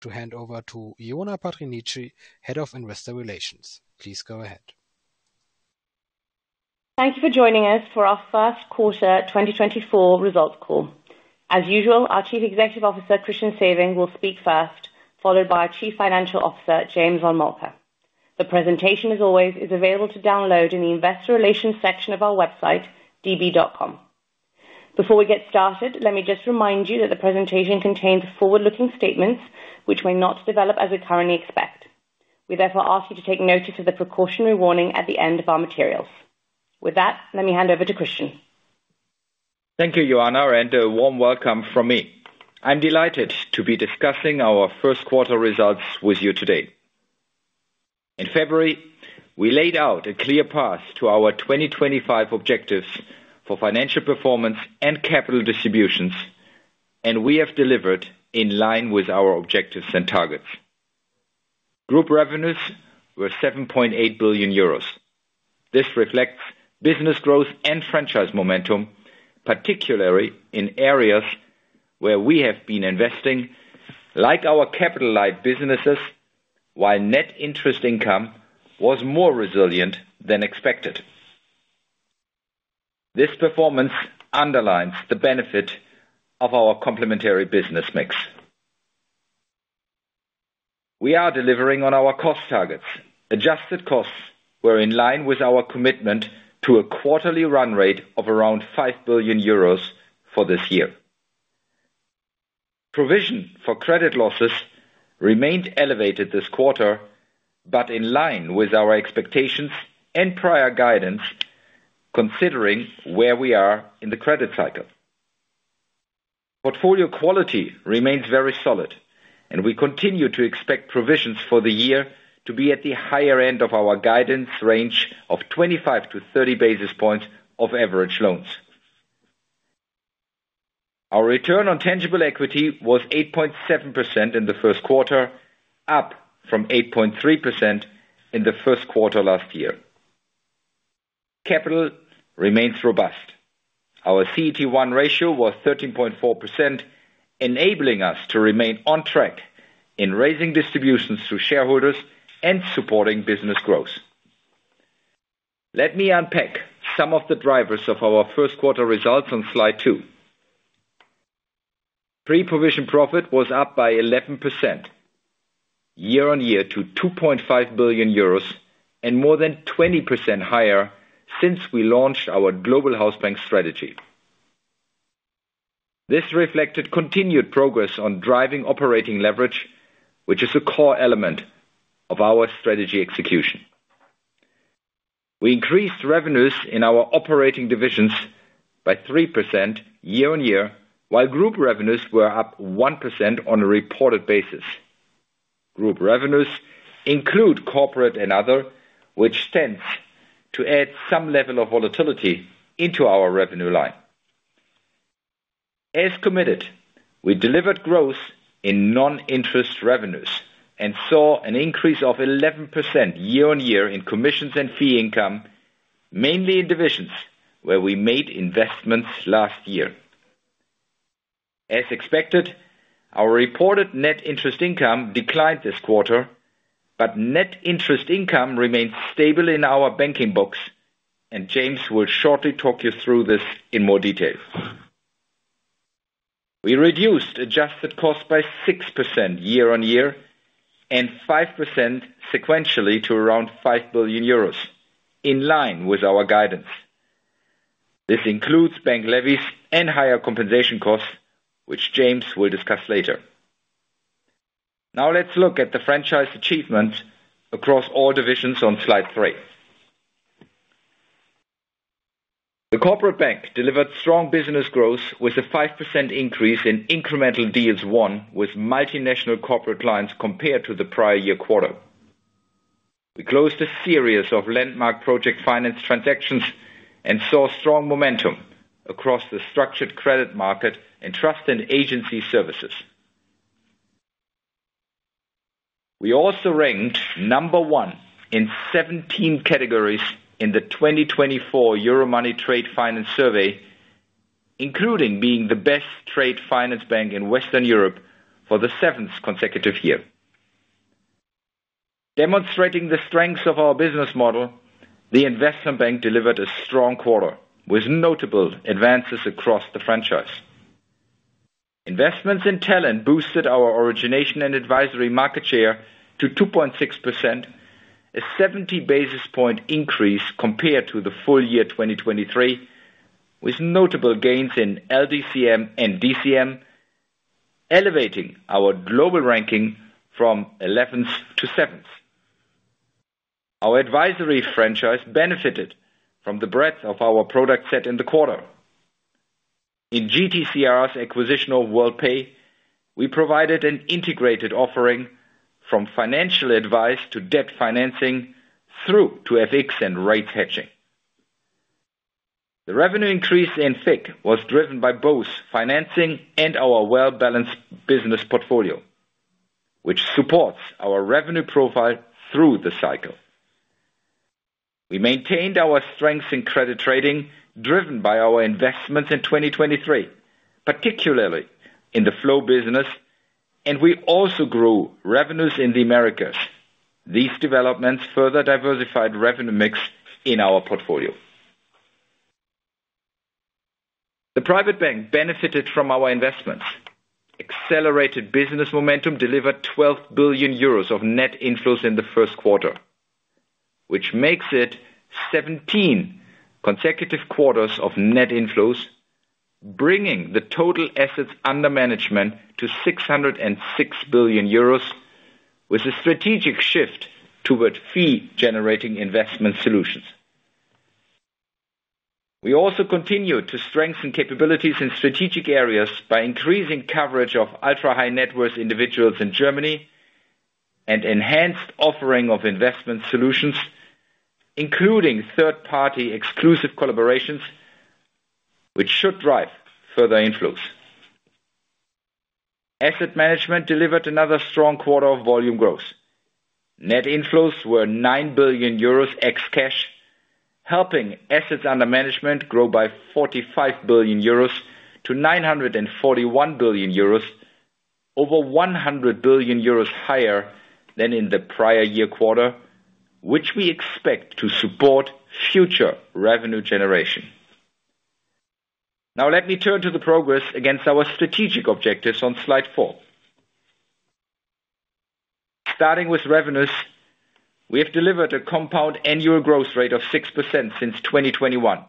to hand over to Ioana Patriniche, Head of Investor Relations. Please go ahead. Thank you for joining us for our first quarter 2024 results call. As usual, our Chief Executive Officer, Christian Sewing, will speak first, followed by our Chief Financial Officer, James von Moltke. The presentation, as always, is available to download in the investor relations section of our website, db.com. Before we get started, let me just remind you that the presentation contains forward-looking statements which may not develop as we currently expect. We therefore ask you to take notice of the precautionary warning at the end of our materials. With that, let me hand over to Christian. Thank you, Ioana, and a warm welcome from me. I'm delighted to be discussing our first quarter results with you today. In February, we laid out a clear path to our 2025 objectives for financial performance and capital distributions, and we have delivered in line with our objectives and targets. Group revenues were 7.8 billion euros. This reflects business growth and franchise momentum, particularly in areas where we have been investing, like our capital-light businesses, while net interest income was more resilient than expected. This performance underlines the benefit of our complementary business mix. We are delivering on our cost targets. Adjusted costs were in line with our commitment to a quarterly run rate of around 5 billion euros for this year. Provision for credit losses remained elevated this quarter, but in line with our expectations and prior guidance, considering where we are in the credit cycle. Portfolio quality remains very solid, and we continue to expect provisions for the year to be at the higher end of our guidance range of 25-30 basis points of average loans. Our return on tangible equity was 8.7% in the first quarter, up from 8.3% in the first quarter last year. Capital remains robust. Our CET1 ratio was 13.4%, enabling us to remain on track in raising distributions to shareholders and supporting business growth. Let me unpack some of the drivers of our first quarter results on slide two. Pre-provision profit was up by 11% year-on-year to 2.5 billion euros and more than 20% higher since we launched our Global Hausbank strategy. This reflected continued progress on driving operating leverage, which is a core element of our strategy execution. We increased revenues in our operating divisions by 3% year-on-year, while group revenues were up 1% on a reported basis. Group revenues include corporate and other, which tends to add some level of volatility into our revenue line. As committed, we delivered growth in non-interest revenues and saw an increase of 11% year-on-year in commissions and fee income, mainly in divisions where we made investments last year. As expected, our reported net interest income declined this quarter, but net interest income remains stable in our banking books, and James will shortly talk you through this in more detail. We reduced adjusted costs by 6% year-on-year and 5% sequentially to around 5 billion euros, in line with our guidance. This includes bank levies and higher compensation costs, which James will discuss later. Now let's look at the franchise achievement across all divisions on slide 3. The corporate bank delivered strong business growth, with a 5% increase in incremental deals won with multinational corporate clients compared to the prior year quarter. We closed a series of landmark project finance transactions and saw strong momentum across the structured credit market and trust and agency services. We also ranked number one in 17 categories in the 2024 Euromoney Trade Finance Survey, including being the best trade finance bank in Western Europe for the seventh consecutive year. Demonstrating the strengths of our business model, the investment bank delivered a strong quarter with notable advances across the franchise. Investments in talent boosted our origination and advisory market share to 2.6%, a 70 basis point increase compared to the full year 2023, with notable gains in LDCM and DCM, elevating our global ranking from 11th to 7th. Our advisory franchise benefited from the breadth of our product set in the quarter. In GTCR's acquisition of Worldpay, we provided an integrated offering from financial advice to debt financing through to FX and rate hedging. The revenue increase in FICC was driven by both financing and our well-balanced business portfolio, which supports our revenue profile through the cycle.... We maintained our strengths in credit trading, driven by our investments in 2023, particularly in the flow business, and we also grew revenues in the Americas. These developments further diversified revenue mix in our portfolio. The private bank benefited from our investments. Accelerated business momentum delivered 12 billion euros of net inflows in the first quarter, which makes it 17 consecutive quarters of net inflows, bringing the total assets under management to 606 billion euros, with a strategic shift toward fee-generating investment solutions. We also continued to strengthen capabilities in strategic areas by increasing coverage of ultra-high net worth individuals in Germany and enhanced offering of investment solutions, including third-party exclusive collaborations, which should drive further inflows. Asset Management delivered another strong quarter of volume growth. Net inflows were 9 billion euros ex cash, helping assets under management grow by 45 billion euros to 941 billion euros, over 100 billion euros higher than in the prior year quarter, which we expect to support future revenue generation. Now let me turn to the progress against our strategic objectives on slide four. Starting with revenues, we have delivered a compound annual growth rate of 6% since 2021,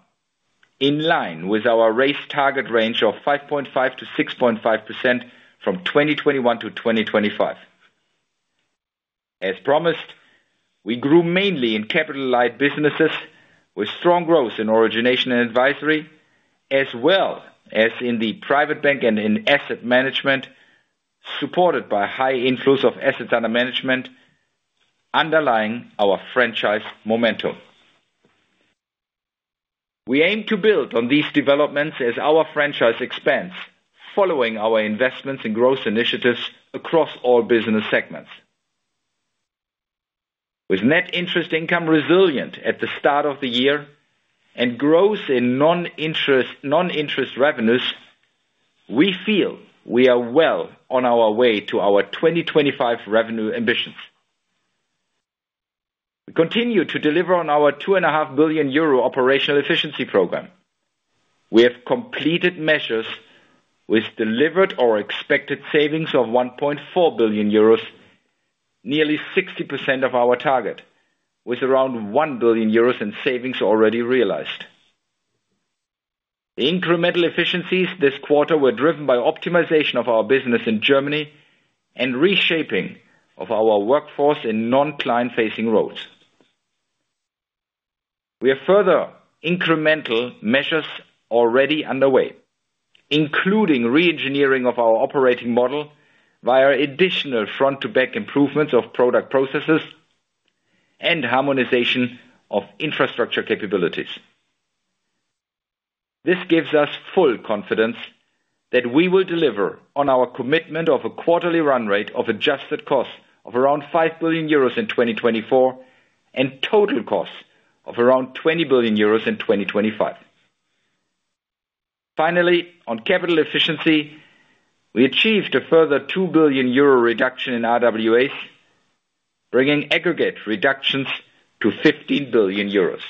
in line with our raised target range of 5.5%-6.5% from 2021-2025. As promised, we grew mainly in capital-light businesses, with strong growth in origination and advisory, as well as in the private bank and in asset management, supported by high inflows of assets under management, underlying our franchise momentum. We aim to build on these developments as our franchise expands, following our investments and growth initiatives across all business segments. With net interest income resilient at the start of the year and growth in non-interest, non-interest revenues, we feel we are well on our way to our 2025 revenue ambitions. We continue to deliver on our 2.5 billion euro operational efficiency program. We have completed measures with delivered or expected savings of 1.4 billion euros, nearly 60% of our target, with around 1 billion euros in savings already realized. The incremental efficiencies this quarter were driven by optimization of our business in Germany and reshaping of our workforce in non-client-facing roles. We have further incremental measures already underway, including reengineering of our operating model via additional front-to-back improvements of product processes and harmonization of infrastructure capabilities. This gives us full confidence that we will deliver on our commitment of a quarterly run rate of adjusted costs of around 5 billion euros in 2024, and total costs of around 20 billion euros in 2025. Finally, on capital efficiency, we achieved a further 2 billion euro reduction in RWAs, bringing aggregate reductions to 15 billion euros.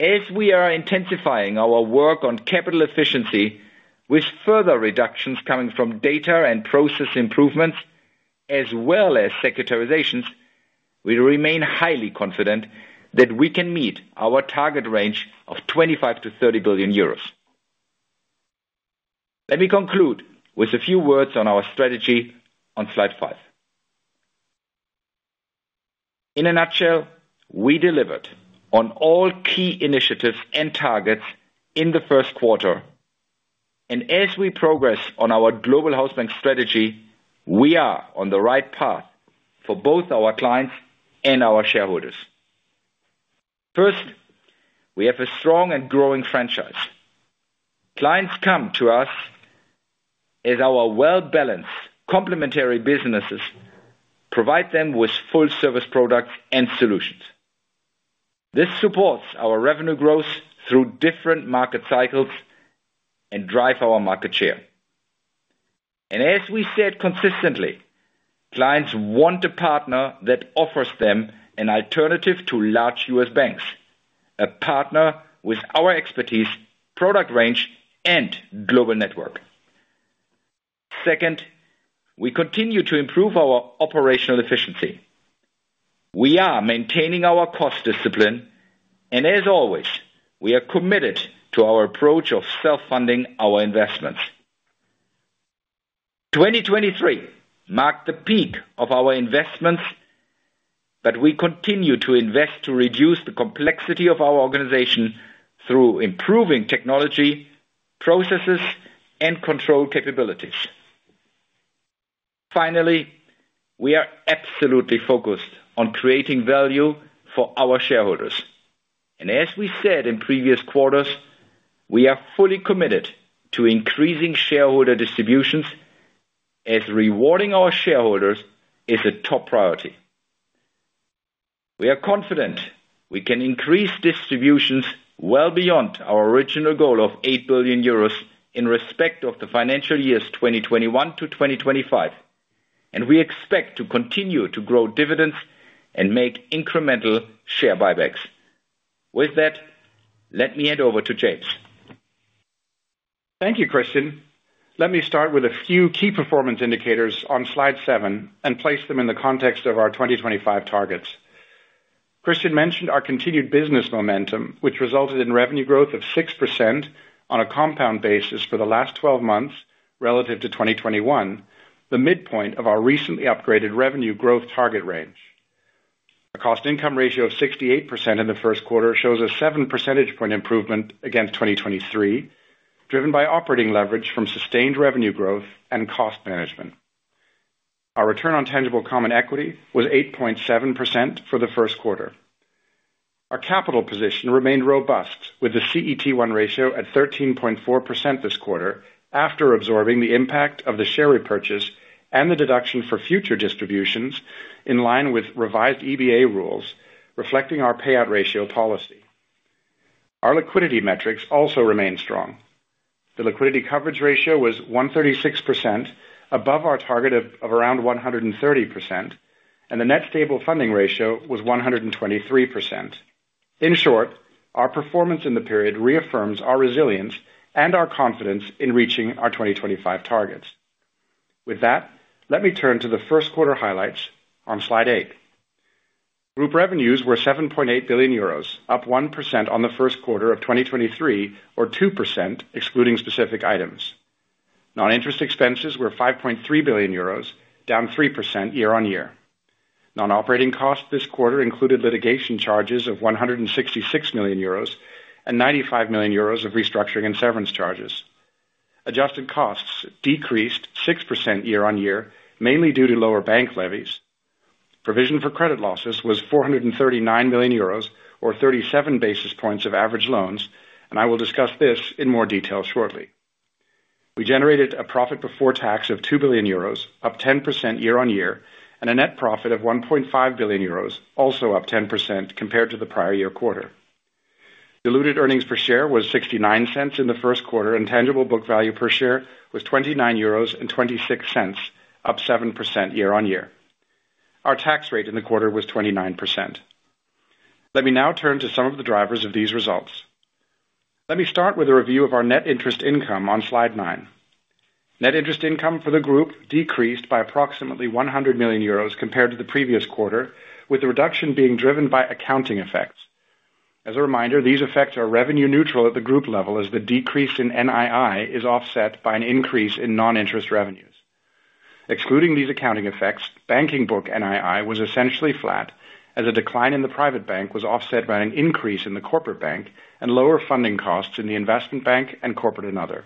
As we are intensifying our work on capital efficiency, with further reductions coming from data and process improvements as well as securitizations, we remain highly confident that we can meet our target range of 25 billion-30 billion euros. Let me conclude with a few words on our strategy on slide 5. In a nutshell, we delivered on all key initiatives and targets in the first quarter, and as we progress on our global house bank strategy, we are on the right path for both our clients and our shareholders. First, we have a strong and growing franchise. Clients come to us as our well-balanced, complementary businesses provide them with full service products and solutions. This supports our revenue growth through different market cycles and drive our market share. As we said consistently, clients want a partner that offers them an alternative to large U.S. banks, a partner with our expertise, product range, and global network. Second, we continue to improve our operational efficiency. We are maintaining our cost discipline, and as always, we are committed to our approach of self-funding our investments. 2023 marked the peak of our investments, but we continue to invest to reduce the complexity of our organization through improving technology, processes, and control capabilities. Finally, we are absolutely focused on creating value for our shareholders, and as we said in previous quarters, we are fully committed to increasing shareholder distributions... as rewarding our shareholders is a top priority. We are confident we can increase distributions well beyond our original goal of 8 billion euros in respect of the financial years 2021 to 2025, and we expect to continue to grow dividends and make incremental share buybacks. With that, let me hand over to James. Thank you, Christian. Let me start with a few key performance indicators on slide seven and place them in the context of our 2025 targets. Christian mentioned our continued business momentum, which resulted in revenue growth of 6% on a compound basis for the last 12 months relative to 2021, the midpoint of our recently upgraded revenue growth target range. A cost income ratio of 68% in the first quarter shows a seven percentage point improvement against 2023, driven by operating leverage from sustained revenue growth and cost management. Our return on tangible common equity was 8.7% for the first quarter. Our capital position remained robust, with the CET1 ratio at 13.4% this quarter, after absorbing the impact of the share repurchase and the deduction for future distributions, in line with revised EBA rules, reflecting our payout ratio policy. Our liquidity metrics also remain strong. The liquidity coverage ratio was 136%, above our target of around 130%, and the net stable funding ratio was 123%. In short, our performance in the period reaffirms our resilience and our confidence in reaching our 2025 targets. With that, let me turn to the first quarter highlights on slide eight. Group revenues were 7.8 billion euros, up 1% on the first quarter of 2023, or 2%, excluding specific items. Non-interest expenses were 5.3 billion euros, down 3% year-on-year. Non-operating costs this quarter included litigation charges of 166 million euros and 95 million euros of restructuring and severance charges. Adjusted costs decreased 6% year-on-year, mainly due to lower bank levies. Provision for credit losses was 439 million euros, or 37 basis points of average loans, and I will discuss this in more detail shortly. We generated a profit before tax of 2 billion euros, up 10% year-over-year, and a net profit of 1.5 billion euros, also up 10% compared to the prior year quarter. Diluted earnings per share was 0.69 in the first quarter, and tangible book value per share was 29.26 euros, up 7% year-over-year. Our tax rate in the quarter was 29%. Let me now turn to some of the drivers of these results. Let me start with a review of our net interest income on slide nine. Net interest income for the group decreased by approximately 100 million euros compared to the previous quarter, with the reduction being driven by accounting effects. As a reminder, these effects are revenue neutral at the group level, as the decrease in NII is offset by an increase in non-interest revenues. Excluding these accounting effects, banking book NII was essentially flat, as a decline in the private bank was offset by an increase in the corporate bank and lower funding costs in the investment bank and corporate and other.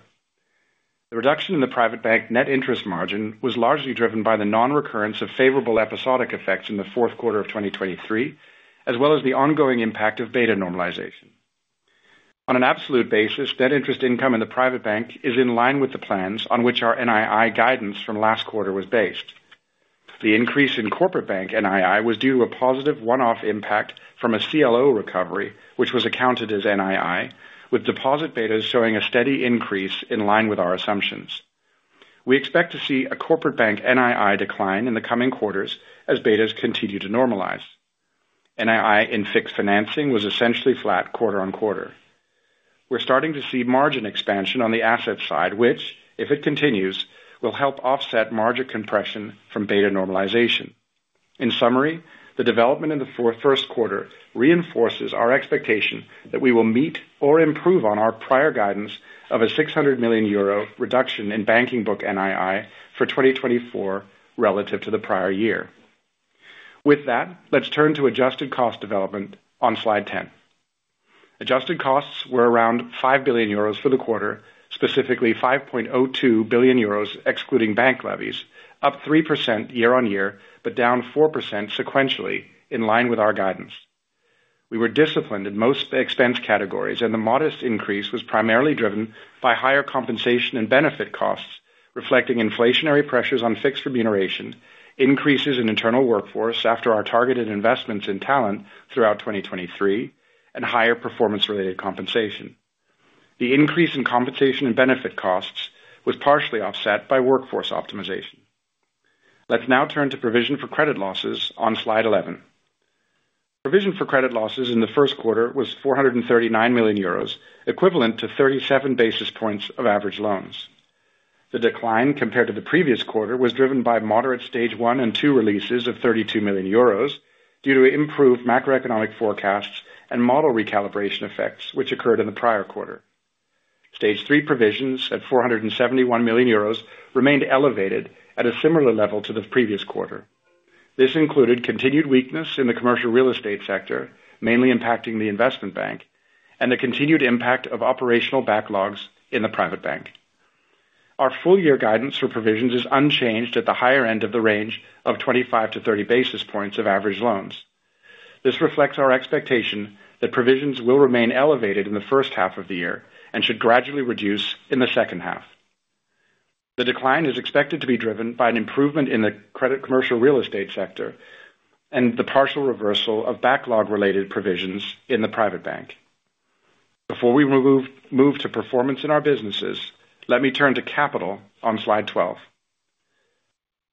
The reduction in the private bank net interest margin was largely driven by the non-recurrence of favorable episodic effects in the fourth quarter of 2023, as well as the ongoing impact of beta normalization. On an absolute basis, net interest income in the private bank is in line with the plans on which our NII guidance from last quarter was based. The increase in corporate bank NII was due to a positive one-off impact from a CLO recovery, which was accounted as NII, with deposit betas showing a steady increase in line with our assumptions. We expect to see a corporate bank NII decline in the coming quarters as betas continue to normalize. NII in fixed financing was essentially flat quarter on quarter. We're starting to see margin expansion on the asset side, which, if it continues, will help offset margin compression from beta normalization. In summary, the development in the first quarter reinforces our expectation that we will meet or improve on our prior guidance of a 600 million euro reduction in banking book NII for 2024 relative to the prior year. With that, let's turn to adjusted cost development on slide 10. Adjusted costs were around 5 billion euros for the quarter, specifically 5.02 billion euros, excluding bank levies, up 3% year-on-year, but down 4% sequentially, in line with our guidance. We were disciplined in most expense categories, and the modest increase was primarily driven by higher compensation and benefit costs, reflecting inflationary pressures on fixed remuneration, increases in internal workforce after our targeted investments in talent throughout 2023, and higher performance-related compensation. The increase in compensation and benefit costs was partially offset by workforce optimization. Let's now turn to provision for credit losses on slide 11. Provision for credit losses in the first quarter was 439 million euros, equivalent to 37 basis points of average loans. The decline, compared to the previous quarter, was driven by moderate Stage one and two releases of 32 million euros due to improved macroeconomic forecasts and model recalibration effects, which occurred in the prior quarter. Stage three provisions at 471 million euros remained elevated at a similar level to the previous quarter. This included continued weakness in the commercial real estate sector, mainly impacting the investment bank, and the continued impact of operational backlogs in the private bank. Our full year guidance for provisions is unchanged at the higher end of the range of 25-30 basis points of average loans. This reflects our expectation that provisions will remain elevated in the first half of the year and should gradually reduce in the second half. The decline is expected to be driven by an improvement in the credit commercial real estate sector and the partial reversal of backlog-related provisions in the private bank. Before we move to performance in our businesses, let me turn to capital on slide 12.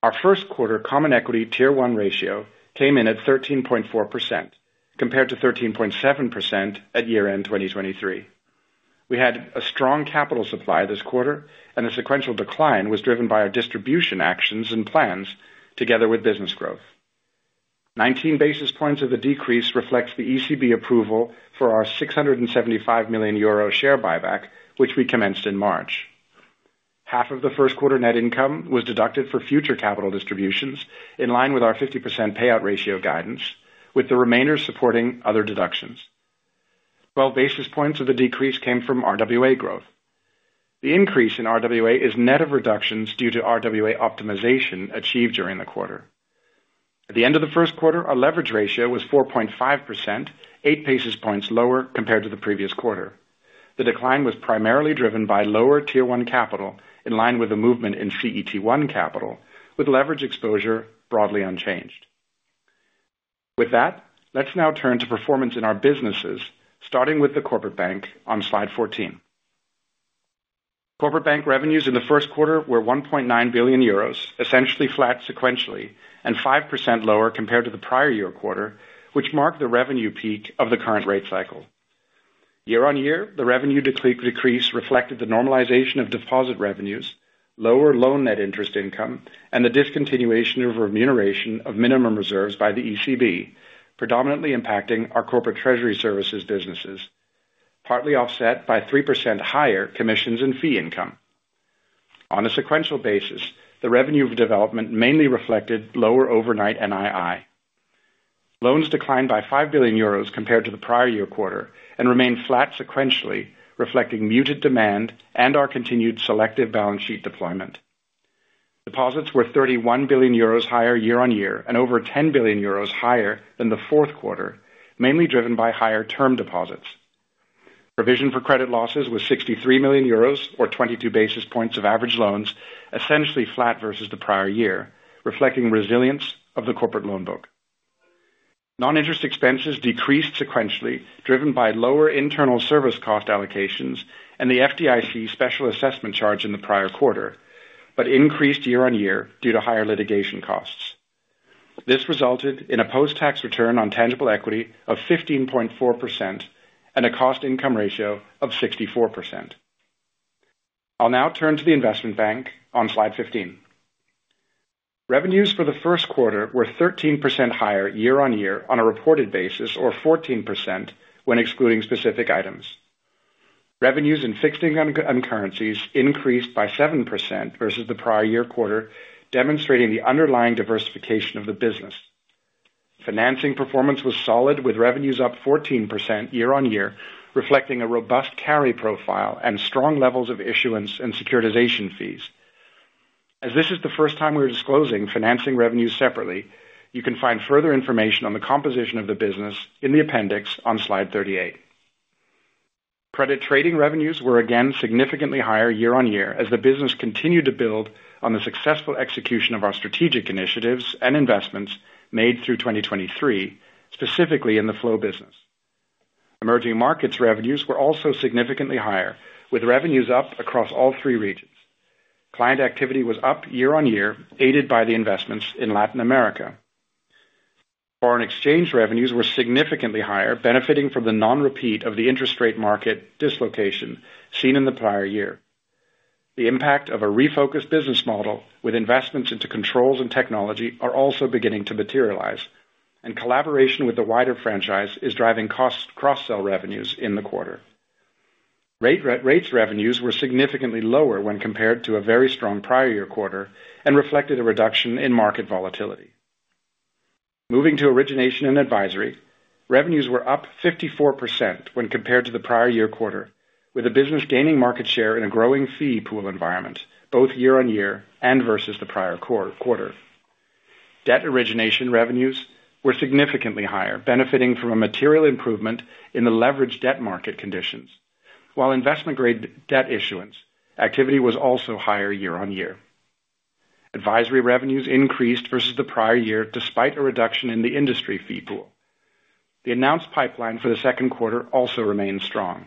Our first quarter common equity tier one ratio came in at 13.4%, compared to 13.7% at year-end 2023. We had a strong capital supply this quarter, and the sequential decline was driven by our distribution actions and plans together with business growth. 19 basis points of the decrease reflects the ECB approval for our 675 million euro share buyback, which we commenced in March. Half of the first quarter net income was deducted for future capital distributions, in line with our 50% payout ratio guidance, with the remainder supporting other deductions. 12 basis points of the decrease came from RWA growth. The increase in RWA is net of reductions due to RWA optimization achieved during the quarter. At the end of the first quarter, our leverage ratio was 4.5%, 8 basis points lower compared to the previous quarter. The decline was primarily driven by lower tier one capital, in line with the movement in CET1 capital, with leverage exposure broadly unchanged. With that, let's now turn to performance in our businesses, starting with the corporate bank on slide 14. Corporate bank revenues in the first quarter were 1.9 billion euros, essentially flat sequentially, and 5% lower compared to the prior year quarter, which marked the revenue peak of the current rate cycle. Year-on-year, the revenue decrease reflected the normalization of deposit revenues, lower loan net interest income, and the discontinuation of remuneration of minimum reserves by the ECB, predominantly impacting our corporate treasury services businesses, partly offset by 3% higher commissions and fee income. On a sequential basis, the revenue of development mainly reflected lower overnight NII. Loans declined by 5 billion euros compared to the prior year quarter and remained flat sequentially, reflecting muted demand and our continued selective balance sheet deployment. Deposits were 31 billion euros higher year-on-year and over 10 billion euros higher than the fourth quarter, mainly driven by higher term deposits. Provision for credit losses was 63 million euros, or 22 basis points of average loans, essentially flat versus the prior year, reflecting resilience of the corporate loan book. Non-interest expenses decreased sequentially, driven by lower internal service cost allocations and the FDIC special assessment charge in the prior quarter, but increased year-on-year due to higher litigation costs. This resulted in a post-tax return on tangible equity of 15.4% and a cost income ratio of 64%. I'll now turn to the investment bank on slide 15. Revenues for the first quarter were 13% higher year-on-year on a reported basis, or 14% when excluding specific items. Revenues in fixed income currencies increased by 7% versus the prior year quarter, demonstrating the underlying diversification of the business. Financing performance was solid, with revenues up 14% year-on-year, reflecting a robust carry profile and strong levels of issuance and securitization fees. As this is the first time we're disclosing financing revenues separately, you can find further information on the composition of the business in the appendix on slide 38. Credit trading revenues were again significantly higher year-on-year as the business continued to build on the successful execution of our strategic initiatives and investments made through 2023, specifically in the flow business. Emerging markets revenues were also significantly higher, with revenues up across all three regions. Client activity was up year-on-year, aided by the investments in Latin America. Foreign exchange revenues were significantly higher, benefiting from the non-repeat of the interest rate market dislocation seen in the prior year. The impact of a refocused business model with investments into controls and technology are also beginning to materialize, and collaboration with the wider franchise is driving cost cross-sell revenues in the quarter. Rates revenues were significantly lower when compared to a very strong prior year quarter and reflected a reduction in market volatility. Moving to origination and advisory, revenues were up 54% when compared to the prior year quarter, with the business gaining market share in a growing fee pool environment, both year-on-year and versus the prior quarter. Debt origination revenues were significantly higher, benefiting from a material improvement in the leverage debt market conditions, while investment-grade debt issuance activity was also higher year-on-year. Advisory revenues increased versus the prior year, despite a reduction in the industry fee pool. The announced pipeline for the second quarter also remains strong.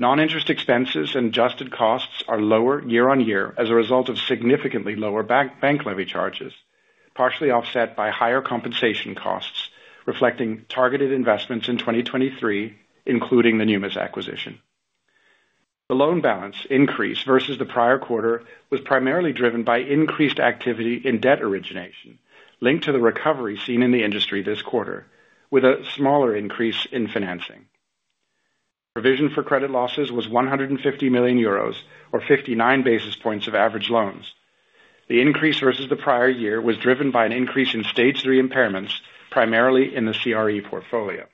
Non-interest expenses and adjusted costs are lower year-on-year as a result of significantly lower bank levy charges, partially offset by higher compensation costs, reflecting targeted investments in 2023, including the Numis acquisition. The loan balance increase versus the prior quarter was primarily driven by increased activity in debt origination, linked to the recovery seen in the industry this quarter, with a smaller increase in financing. Provision for credit losses was 150 million euros or 59 basis points of average loans. The increase versus the prior year was driven by an increase in stage three impairments, primarily in the CRE portfolio.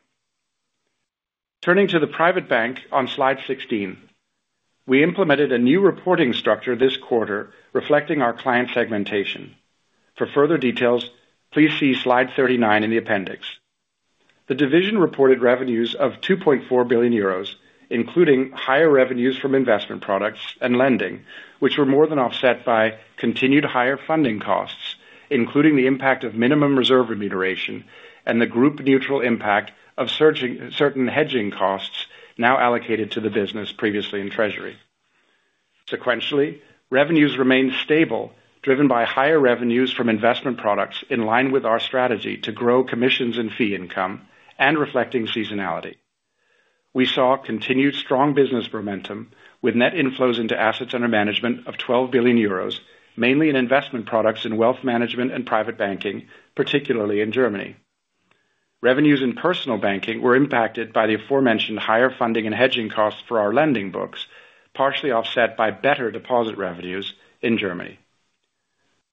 Turning to the private bank on slide 16. We implemented a new reporting structure this quarter, reflecting our client segmentation. For further details, please see slide 39 in the appendix. The division reported revenues of 2.4 billion euros, including higher revenues from investment products and lending, which were more than offset by continued higher funding costs, including the impact of minimum reserve remuneration and the group neutral impact of reclassifying certain hedging costs now allocated to the business previously in treasury. Sequentially, revenues remained stable, driven by higher revenues from investment products, in line with our strategy to grow commissions and fee income and reflecting seasonality. We saw continued strong business momentum with net inflows into assets under management of 12 billion euros, mainly in investment products in wealth management and private banking, particularly in Germany. Revenues in personal banking were impacted by the aforementioned higher funding and hedging costs for our lending books, partially offset by better deposit revenues in Germany.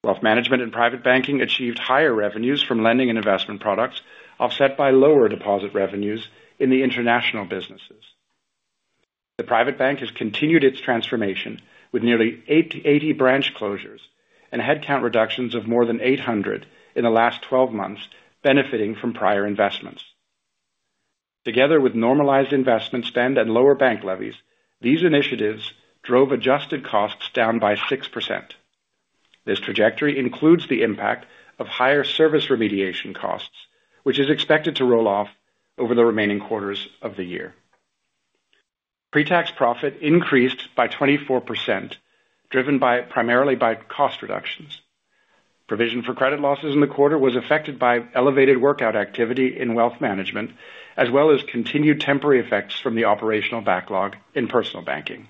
Wealth management and private banking achieved higher revenues from lending and investment products, offset by lower deposit revenues in the international businesses. The private bank has continued its transformation with nearly 80 branch closures and headcount reductions of more than 800 in the last 12 months, benefiting from prior investments. Together with normalized investment spend and lower bank levies, these initiatives drove adjusted costs down by 6%. This trajectory includes the impact of higher service remediation costs, which is expected to roll off over the remaining quarters of the year. Pre-tax profit increased by 24%, driven primarily by cost reductions. Provision for credit losses in the quarter was affected by elevated workout activity in wealth management, as well as continued temporary effects from the operational backlog in personal banking.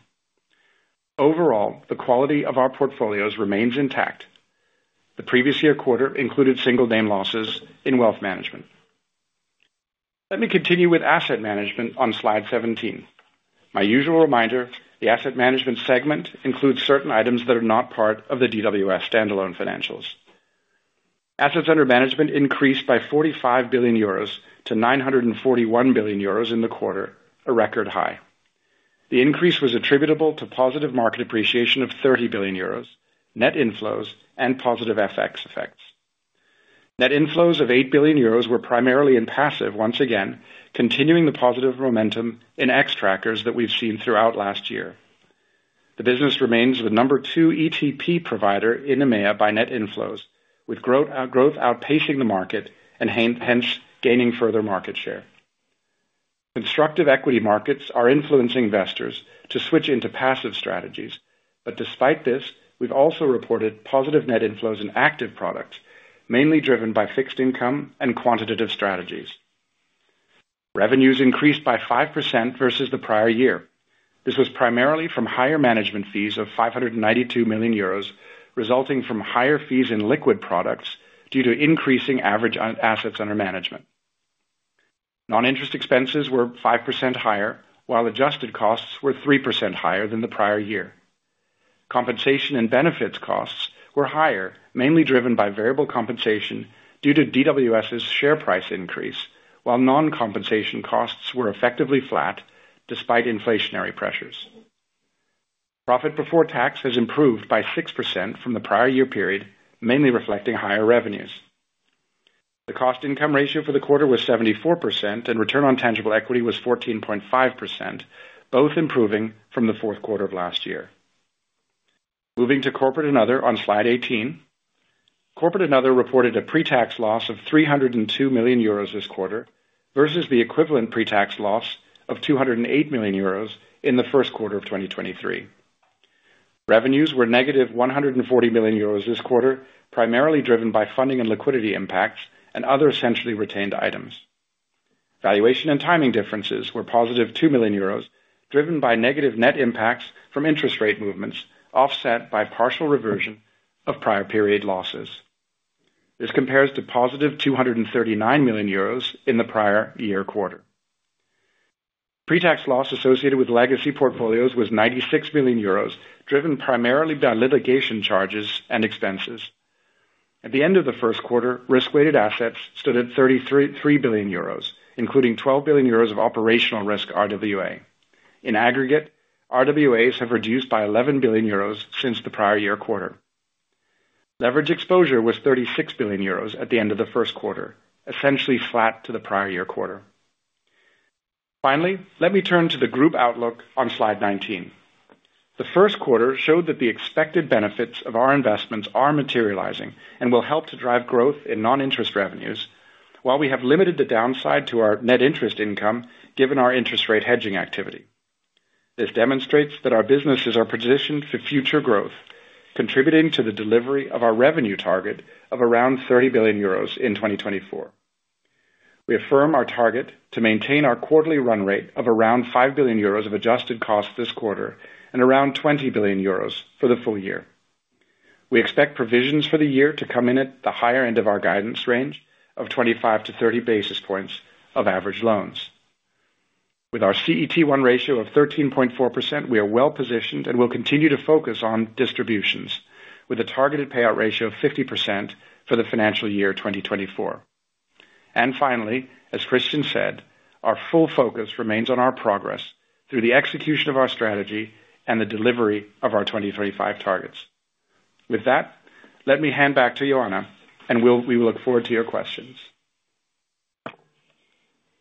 Overall, the quality of our portfolios remains intact. The previous year quarter included single-name losses in wealth management. Let me continue with asset management on slide 17. My usual reminder, the asset management segment includes certain items that are not part of the DWS standalone financials. Assets under management increased by 45 billion euros to 941 billion euros in the quarter, a record high. The increase was attributable to positive market appreciation of 30 billion euros, net inflows, and positive FX effects. Net inflows of 8 billion euros were primarily in passive, once again, continuing the positive momentum in Xtrackers that we've seen throughout last year. The business remains the number two ETP provider in EMEA by net inflows, with growth outpacing the market and hence, gaining further market share. Constructive equity markets are influencing investors to switch into passive strategies, but despite this, we've also reported positive net inflows in active products, mainly driven by fixed income and quantitative strategies. Revenues increased by 5% versus the prior year. This was primarily from higher management fees of 592 million euros, resulting from higher fees in liquid products due to increasing average assets under management. Non-interest expenses were 5% higher, while adjusted costs were 3% higher than the prior year. Compensation and benefits costs were higher, mainly driven by variable compensation due to DWS's share price increase, while non-compensation costs were effectively flat despite inflationary pressures. Profit before tax has improved by 6% from the prior year period, mainly reflecting higher revenues. The cost income ratio for the quarter was 74%, and return on tangible equity was 14.5%, both improving from the fourth quarter of last year. Moving to corporate and other on slide 18. Corporate and other reported a pre-tax loss of 302 million euros this quarter versus the equivalent pre-tax loss of 208 million euros in the first quarter of 2023. Revenues were negative 140 million euros this quarter, primarily driven by funding and liquidity impacts and other essentially retained items. Valuation and timing differences were positive 2 million euros, driven by negative net impacts from interest rate movements, offset by partial reversion of prior period losses. This compares to positive 239 million euros in the prior year quarter. Pre-tax loss associated with legacy portfolios was 96 million euros, driven primarily by litigation charges and expenses. At the end of the first quarter, risk-weighted assets stood at 33 billion euros, including 12 billion euros of operational risk RWA. In aggregate, RWAs have reduced by 11 billion euros since the prior year quarter. Leverage exposure was 36 billion euros at the end of the first quarter, essentially flat to the prior year quarter. Finally, let me turn to the group outlook on slide 19. The first quarter showed that the expected benefits of our investments are materializing and will help to drive growth in non-interest revenues, while we have limited the downside to our net interest income, given our interest rate hedging activity. This demonstrates that our businesses are positioned for future growth, contributing to the delivery of our revenue target of around 30 billion euros in 2024. We affirm our target to maintain our quarterly run rate of around 5 billion euros of adjusted cost this quarter and around 20 billion euros for the full year. We expect provisions for the year to come in at the higher end of our guidance range of 25-30 basis points of average loans. With our CET1 ratio of 13.4%, we are well positioned and will continue to focus on distributions... with a targeted payout ratio of 50% for the financial year 2024. And finally, as Christian said, our full focus remains on our progress through the execution of our strategy and the delivery of our 2025 targets. With that, let me hand back to Ioana, and we will look forward to your questions.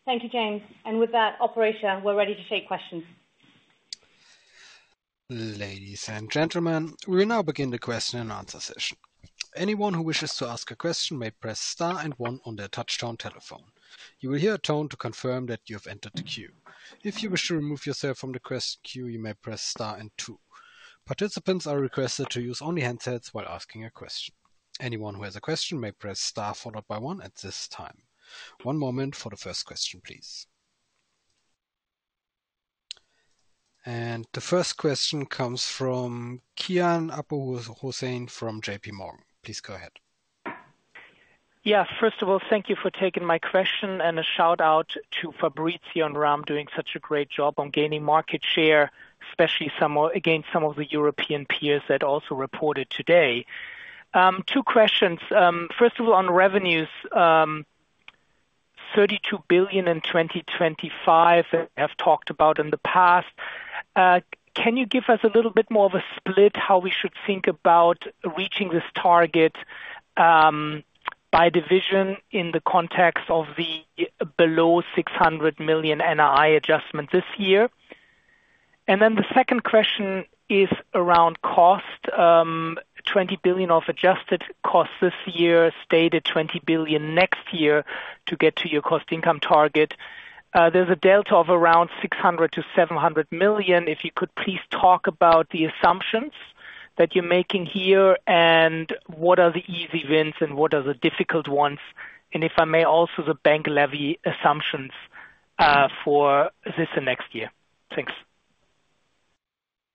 Thank you, James. With that, operator, we're ready to take questions. Ladies and gentlemen, we'll now begin the question and answer session. Anyone who wishes to ask a question may press star and one on their touchtone telephone. You will hear a tone to confirm that you have entered the queue. If you wish to remove yourself from the question queue, you may press star and two. Participants are requested to use only handsets while asking a question. Anyone who has a question may press star, followed by one at this time. One moment for the first question, please. The first question comes from Kian Abouhossein from JP Morgan. Please go ahead. Yeah. First of all, thank you for taking my question, and a shout-out to Fabrizio and Ram, doing such a great job on gaining market share, especially some more against some of the European peers that also reported today. Two questions. First of all, on revenues, 32 billion in 2025, I've talked about in the past. Can you give us a little bit more of a split, how we should think about reaching this target, by division in the context of the below 600 million NII adjustment this year? And then the second question is around cost. 20 billion of adjusted costs this year, stated 20 billion next year to get to your cost income target. There's a delta of around 600 million-700 million. If you could please talk about the assumptions that you're making here, and what are the easy wins and what are the difficult ones? And if I may, also, the bank levy assumptions, for this and next year. Thanks.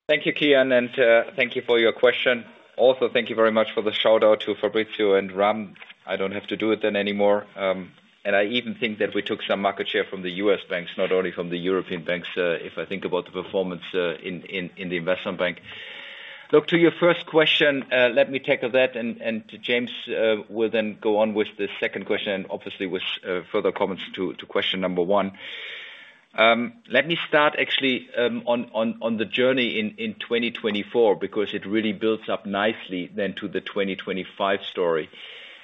Thank you, Kian, and thank you for your question. Also, thank you very much for the shout-out to Fabrizio and Ram. I don't have to do it then anymore, and I even think that we took some market share from the US banks, not only from the European banks, if I think about the performance in the investment bank. Look, to your first question, let me tackle that, and to James, we'll then go on with the second question, and obviously with further comments to question number one. Let me start actually on the journey in 2024, because it really builds up nicely then to the 2025 story.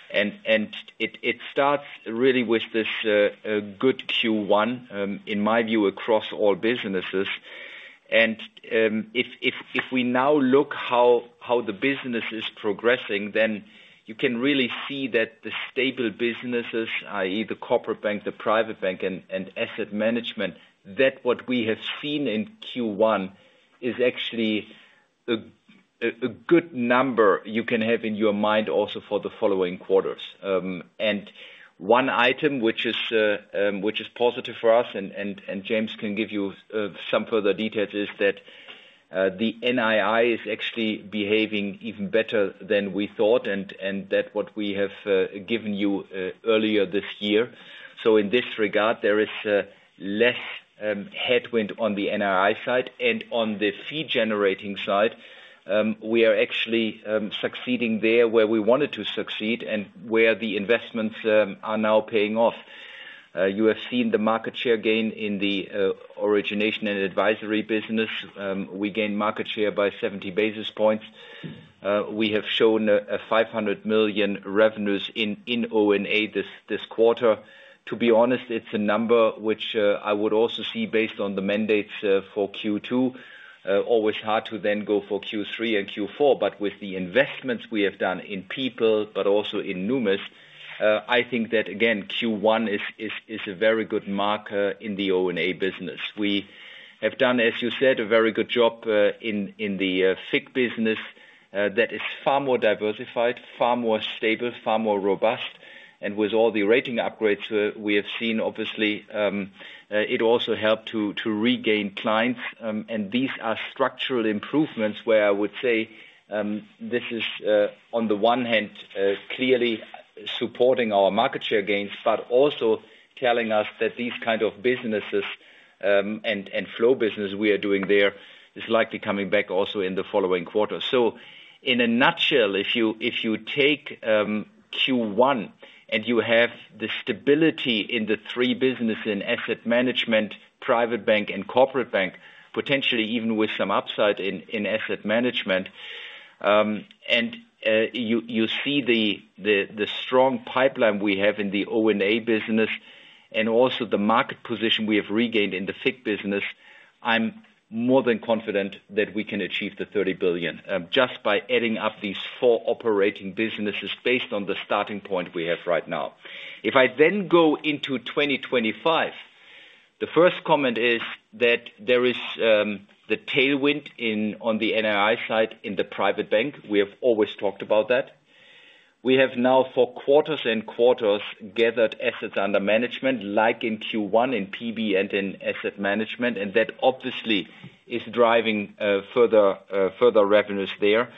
It starts really with this, a good Q1, in my view, across all businesses. If we now look how the business is progressing, then you can really see that the stable businesses, i.e., the corporate bank, the private bank, and asset management, that what we have seen in Q1 is actually a good number you can have in your mind also for the following quarters. And one item which is positive for us, and James can give you some further details, is that the NII is actually behaving even better than we thought, and that what we have given you earlier this year. So in this regard, there is less headwind on the NII side, and on the fee-generating side, we are actually succeeding there where we wanted to succeed and where the investments are now paying off. You have seen the market share gain in the origination and advisory business. We gained market share by 70 basis points. We have shown 500 million revenues in O&A this quarter. To be honest, it's a number which I would also see based on the mandates for Q2. Always hard to then go for Q3 and Q4, but with the investments we have done in people, but also in Numis, I think that, again, Q1 is a very good marker in the O&A business. We have done, as you said, a very good job in the FICC business, that is far more diversified, far more stable, far more robust, and with all the rating upgrades we have seen, obviously, it also helped to regain clients. These are structural improvements where I would say this is, on the one hand, clearly supporting our market share gains, but also telling us that these kind of businesses and flow business we are doing there is likely coming back also in the following quarter. So in a nutshell, if you take Q1 and you have the stability in the three business in asset management, private bank and corporate bank, potentially even with some upside in asset management, and you see the strong pipeline we have in the O&A business, and also the market position we have regained in the FICC business, I'm more than confident that we can achieve the 30 billion just by adding up these four operating businesses based on the starting point we have right now. If I then go into 2025, the first comment is that there is the tailwind in on the NII side in the private bank. We have always talked about that. We have now, for quarters and quarters, gathered assets under management, like in Q1, in PB and in asset management, and that obviously is driving further revenues there.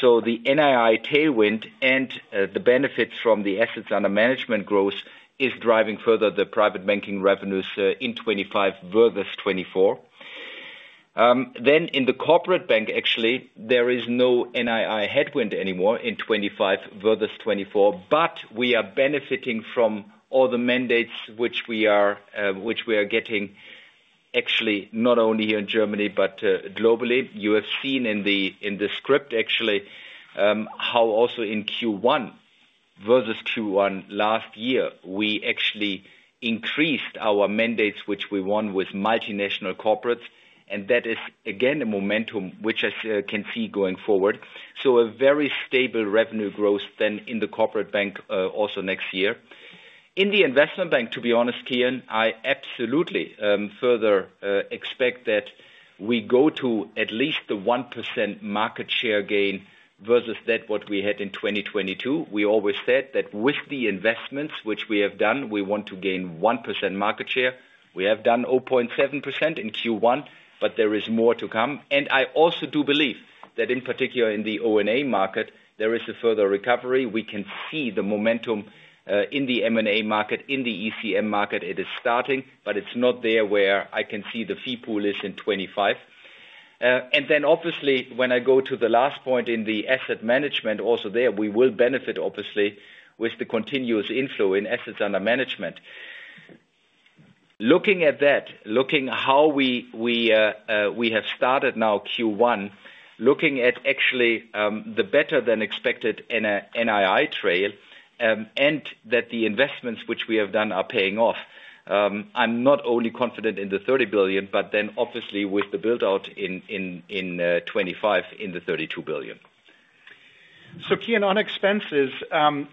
So the NII tailwind and the benefits from the assets under management growth is driving further the private banking revenues in '2025 versus '2024. Then in the corporate bank, actually, there is no NII headwind anymore in '2025 versus '2024, but we are benefiting from all the mandates which we are getting, actually, not only here in Germany, but globally. You have seen in the, in the script, actually, how also in Q1 versus Q1 last year, we actually increased our mandates, which we won with multinational corporates, and that is, again, a momentum which I can see going forward. So a very stable revenue growth then in the corporate bank, also next year. In the investment bank, to be honest, Kian, I absolutely further expect that we go to at least the 1% market share gain versus that what we had in 2022. We always said that with the investments which we have done, we want to gain 1% market share. We have done 0.7% in Q1, but there is more to come. And I also do believe that in particular in the O&A market, there is a further recovery. We can see the momentum in the M&A market, in the ECM market. It is starting, but it's not there where I can see the fee pool is in 2025. And then obviously, when I go to the last point in the asset management, also there, we will benefit obviously, with the continuous inflow in assets under management. Looking at that, looking how we have started now Q1, looking at actually the better than expected NII trail, and that the investments which we have done are paying off, I'm not only confident in the 30 billion, but then obviously with the build-out in 2025, in the 32 billion. So Kian, on expenses,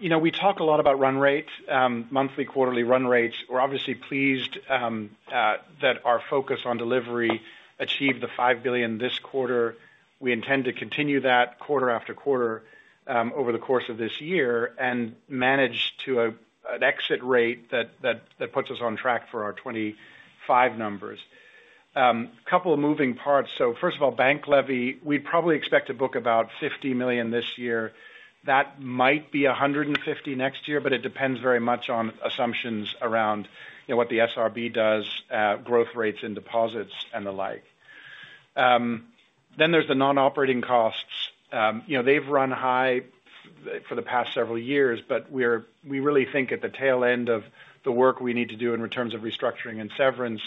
you know, we talk a lot about run rates, monthly, quarterly run rates. We're obviously pleased that our focus on delivery achieved the 5 billion this quarter. We intend to continue that quarter after quarter, over the course of this year, and manage to an exit rate that puts us on track for our 2025 numbers. Couple of moving parts. So first of all, bank levy, we probably expect to book about 50 million this year. That might be 150 million next year, but it depends very much on assumptions around, you know, what the SRB does, growth rates and deposits, and the like. Then there's the non-operating costs. You know, they've run high for the past several years, but we really think at the tail end of the work we need to do in terms of restructuring and severance,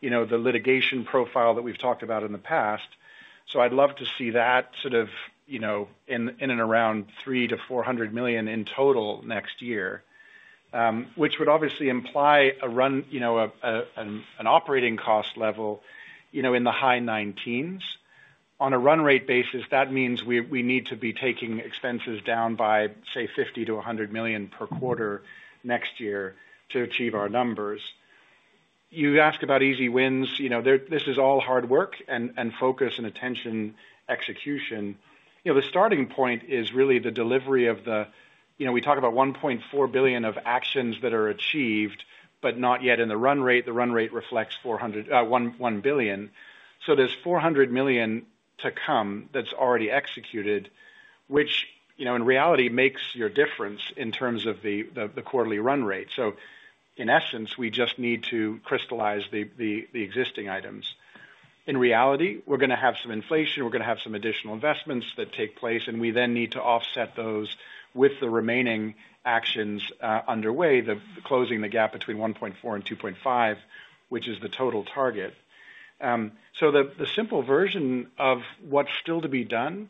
you know, the litigation profile that we've talked about in the past. So I'd love to see that sort of, you know, in and around 300 million-400 million in total next year, which would obviously imply a run, you know, an operating cost level, you know, in the high nineteens. On a run rate basis, that means we need to be taking expenses down by, say, 50 million-100 million per quarter next year to achieve our numbers. You ask about easy wins, you know, there, this is all hard work and focus and attention, execution. You know, the starting point is really the delivery of the... You know, we talk about 1.4 billion of actions that are achieved, but not yet in the run rate. The run rate reflects 400, 1.1 billion. So there's 400 million to come that's already executed, which, you know, in reality, makes your difference in terms of the, the, the quarterly run rate. So in essence, we just need to crystallize the, the, the existing items. In reality, we're gonna have some inflation, we're gonna have some additional investments that take place, and we then need to offset those with the remaining actions, underway, the closing the gap between 1.4 and 2.5, which is the total target. So the simple version of what's still to be done,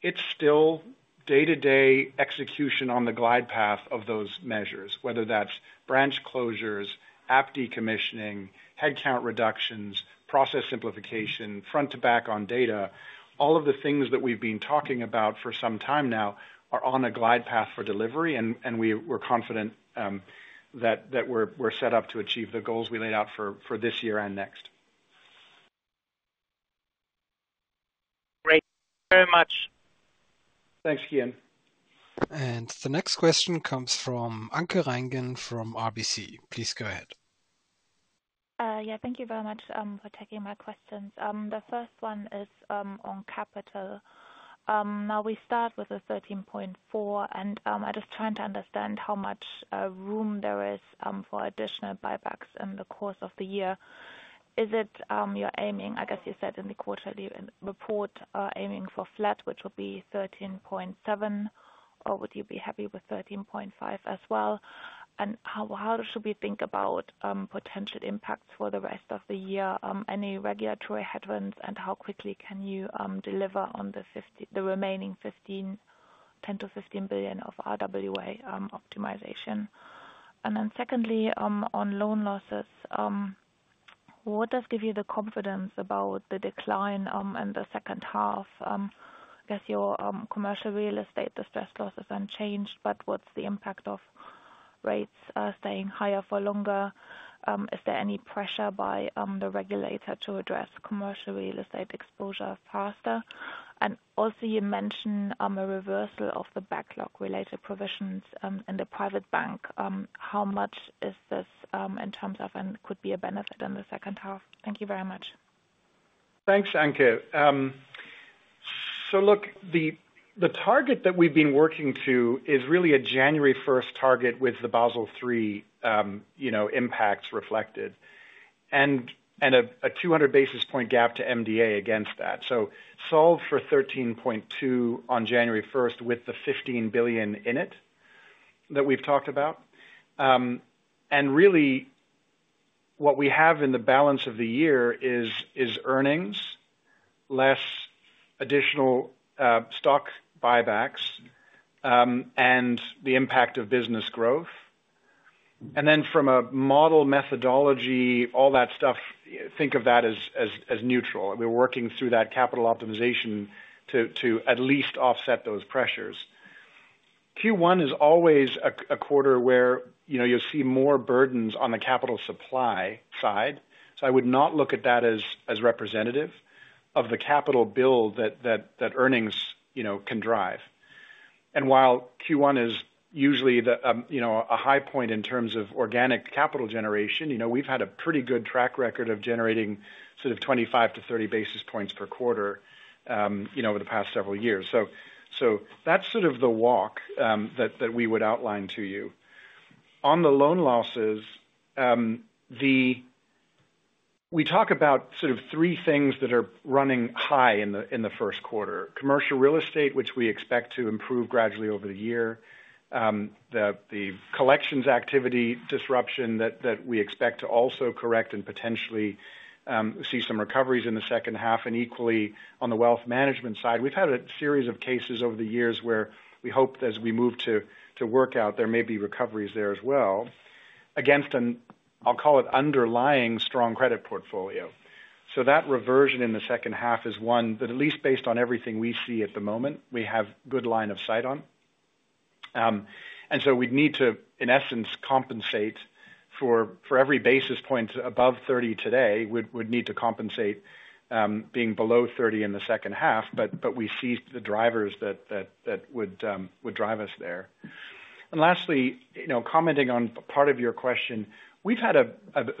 it's still day-to-day execution on the glide path of those measures, whether that's branch closures, app decommissioning, headcount reductions, process simplification, front to back on data. All of the things that we've been talking about for some time now are on a glide path for delivery, and we're confident that we're set up to achieve the goals we laid out for this year and next. Great. Thank you very much. Thanks, Kian. The next question comes from Anke Reingen from RBC. Please go ahead. Yeah, thank you very much for taking my questions. The first one is on capital. Now we start with a 13.4%, and I'm just trying to understand how much room there is for additional buybacks in the course of the year. Is it you're aiming, I guess you said in the quarterly report, aiming for flat, which will be 13.7%, or would you be happy with 13.5% as well? And how should we think about potential impacts for the rest of the year, any regulatory headwinds, and how quickly can you deliver on the remaining 10-15 billion of RWA optimization? And then secondly, on loan losses, what does give you the confidence about the decline in the second half? I guess your commercial real estate distress losses unchanged, but what's the impact of rates staying higher for longer? Is there any pressure by the regulator to address commercial real estate exposure faster? And also you mentioned a reversal of the backlog-related provisions in the private bank. How much is this in terms of, and could be a benefit in the second half? Thank you very much. Thanks, Anke. So look, the target that we've been working to is really a January first target with the Basel III, you know, impacts reflected. And a 200 basis point gap to MDA against that. So solve for 13.2 on January first, with the 15 billion in it, that we've talked about. And really, what we have in the balance of the year is earnings, less additional stock buybacks, and the impact of business growth. And then from a model methodology, all that stuff, think of that as neutral. We're working through that capital optimization to at least offset those pressures. Q1 is always a quarter where, you know, you'll see more burdens on the capital supply side. So I would not look at that as representative of the capital build that earnings, you know, can drive. And while Q1 is usually the, you know, a high point in terms of organic capital generation, you know, we've had a pretty good track record of generating sort of 25-30 basis points per quarter, you know, over the past several years. So that's sort of the walk that we would outline to you. On the loan losses, we talk about sort of three things that are running high in the first quarter. Commercial real estate, which we expect to improve gradually over the year. The collections activity disruption that we expect to also correct and potentially see some recoveries in the second half, and equally, on the wealth management side. We've had a series of cases over the years where we hope as we move to work out, there may be recoveries there as well, against an, I'll call it underlying strong credit portfolio. So that reversion in the second half is one, that at least based on everything we see at the moment, we have good line of sight on. And so we'd need to, in essence, compensate for every basis point above 30 today, we'd need to compensate, being below 30 in the second half, but we see the drivers that would drive us there. And lastly, you know, commenting on part of your question, we've had a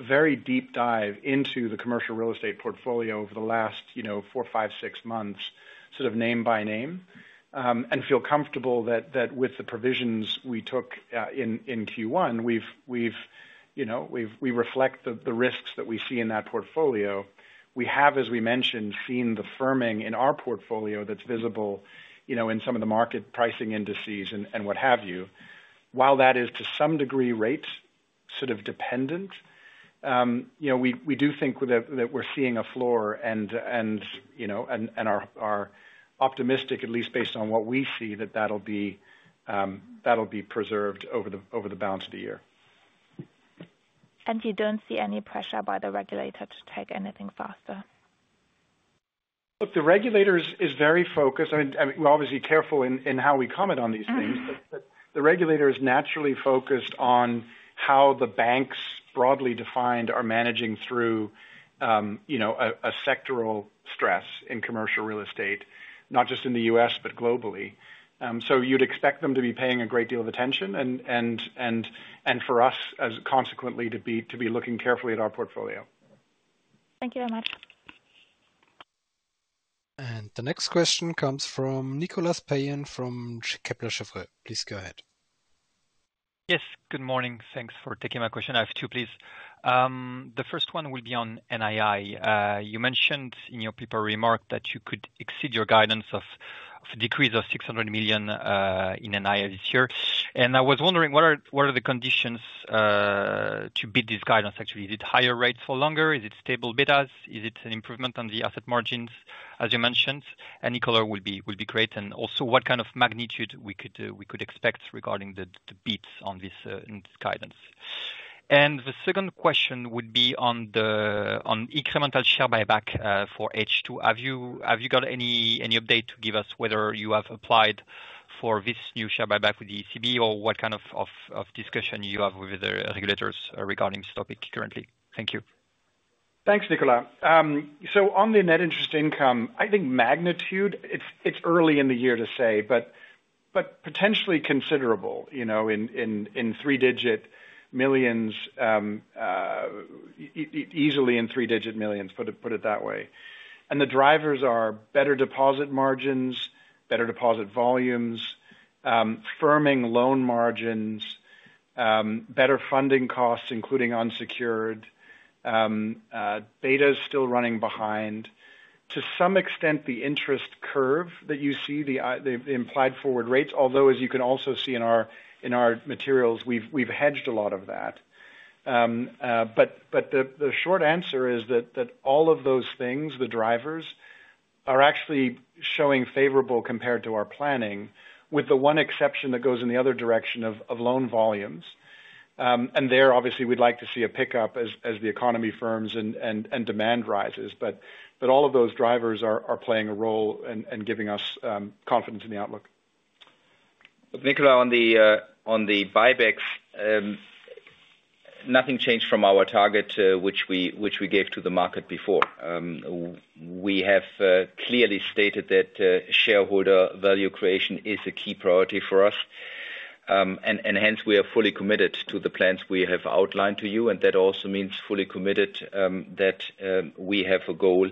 very deep dive into the commercial real estate portfolio over the last, you know, four, five, six months, sort of name by name. And feel comfortable that with the provisions we took in Q1, we've, you know, we reflect the risks that we see in that portfolio. We have, as we mentioned, seen the firming in our portfolio that's visible, you know, in some of the market pricing indices and what have you. While that is to some degree rate sort of dependent, you know, we do think that we're seeing a floor and, you know, and are optimistic, at least based on what we see, that that'll be preserved over the balance of the year. You don't see any pressure by the regulator to take anything faster? Look, the regulator is very focused. I mean, we're obviously careful in how we comment on these things. Mm-hmm. But the regulator is naturally focused on how the banks, broadly defined, are managing through, you know, a sectoral stress in commercial real estate, not just in the U.S., but globally. So you'd expect them to be paying a great deal of attention and for us, as consequently to be looking carefully at our portfolio. Thank you very much. And the next question comes from Nicolas Herman, from Kepler Cheuvreux. Please go ahead. Yes, good morning. Thanks for taking my question. I have two, please. The first one will be on NII. You mentioned in your prepared remarks that you could exceed your guidance of a decrease of 600 million in NII this year. And I was wondering, what are the conditions to beat this guidance actually? Is it higher rates for longer? Is it stable betas? Is it an improvement on the asset margins, as you mentioned? Any color will be great, and also what kind of magnitude we could expect regarding the beats on this guidance. And the second question would be on the incremental share buyback for H2. Have you got any update to give us whether you have applied for this new share buyback with the ECB, or what kind of discussion you have with the regulators regarding this topic currently? Thank you. Thanks, Nicolas. So on the net interest income, I think magnitude, it's early in the year to say, but potentially considerable, you know, in three-digit millions EUR, easily in three-digit millions EUR, put it that way. And the drivers are better deposit margins, better deposit volumes, firming loan margins, better funding costs, including unsecured. Beta is still running behind. To some extent, the interest curve that you see, the implied forward rates, although, as you can also see in our materials, we've hedged a lot of that. But the short answer is that all of those things, the drivers, are actually showing favorable compared to our planning, with the one exception that goes in the other direction of loan volumes. And there, obviously, we'd like to see a pickup as the economy firms and demand rises. But all of those drivers are playing a role and giving us confidence in the outlook. Nicholas, on the buybacks, nothing changed from our target, which we, which we gave to the market before. We have clearly stated that shareholder value creation is a key priority for us. And hence we are fully committed to the plans we have outlined to you, and that also means fully committed that we have a goal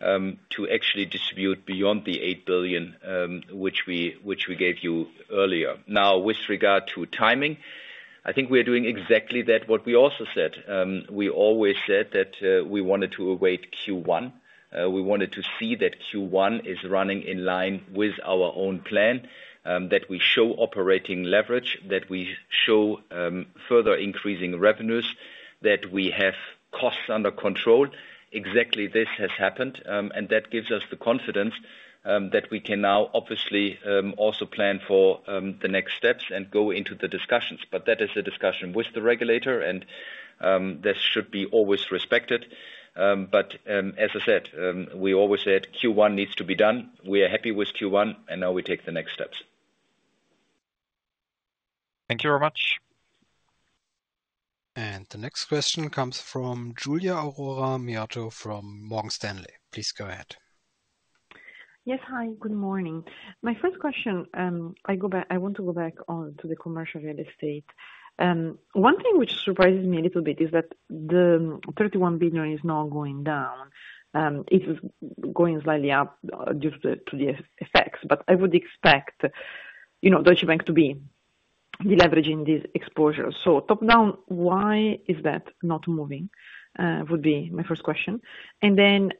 to actually distribute beyond 8 billion, which we, which we gave you earlier. Now, with regard to timing, I think we are doing exactly that what we also said. We always said that we wanted to await Q1. We wanted to see that Q1 is running in line with our own plan, that we show operating leverage, that we show further increasing revenues, that we have costs under control. Exactly this has happened, and that gives us the confidence that we can now obviously also plan for the next steps and go into the discussions. But that is a discussion with the regulator, and this should be always respected. But as I said, we always said Q1 needs to be done. We are happy with Q1, and now we take the next steps. Thank you very much. The next question comes from Giulia Aurora Miotto from Morgan Stanley. Please go ahead. Yes. Hi, good morning. My first question, I want to go back on to the commercial real estate. One thing which surprises me a little bit is that the 31 billion is now going down, it is going slightly up due to the FX, but I would expect, you know, Deutsche Bank to be deleveraging this exposure. So top-down, why is that not moving? Would be my first question. And then,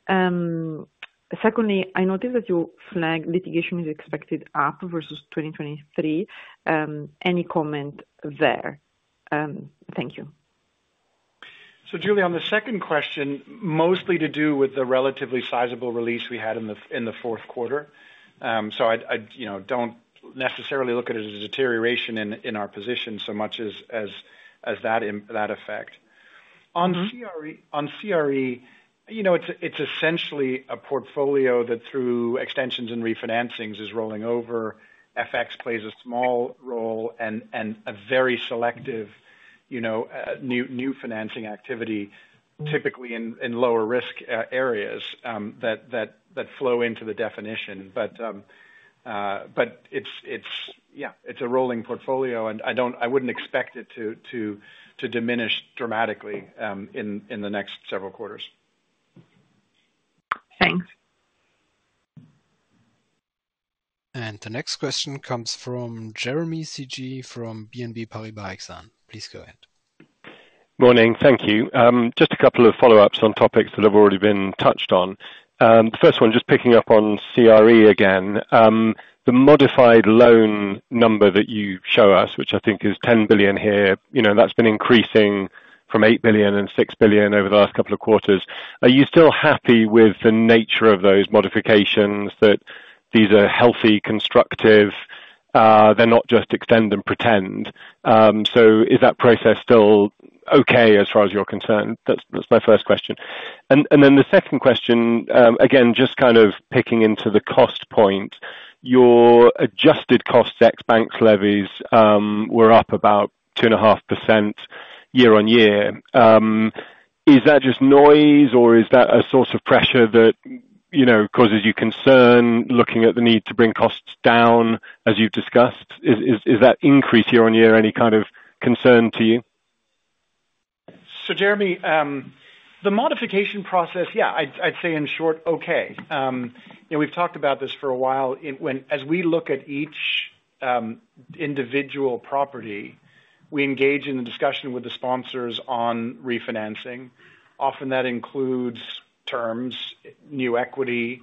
secondly, I noticed that you flagged litigation is expected up versus 2023. Any comment there? Thank you. So, Giulia, on the second question, mostly to do with the relatively sizable release we had in the fourth quarter. So I'd, you know, don't necessarily look at it as a deterioration in our position so much as that effect. Mm-hmm. On CRE, you know, it's essentially a portfolio that, through extensions and refinancings, is rolling over. FX plays a small role and a very selective, you know, new financing activity- Mm. Typically in lower risk areas that flow into the definition. But it's, yeah, it's a rolling portfolio, and I wouldn't expect it to diminish dramatically in the next several quarters. Thanks. The next question comes from Jeremy Sigee from BNP Paribas Exane. Please go ahead. Morning. Thank you. Just a couple of follow-ups on topics that have already been touched on. The first one, just picking up on CRE again. The modified loan number that you show us, which I think is 10 billion here, you know, that's been increasing from 8 billion and 6 billion over the last couple of quarters. Are you still happy with the nature of those modifications, that these are healthy, constructive, they're not just extend and pretend? So is that process still okay as far as you're concerned? That's, that's my first question. And then the second question, again, just kind of picking into the cost point. Your adjusted costs, ex bank levies, were up about 2.5% year-on-year. Is that just noise, or is that a source of pressure that, you know, causes you concern, looking at the need to bring costs down as you've discussed? Is that increase year on year any kind of concern to you? So Jeremy, the modification process, yeah, I'd say in short, okay. You know, we've talked about this for a while. When as we look at each individual property, we engage in a discussion with the sponsors on refinancing. Often that includes terms, new equity,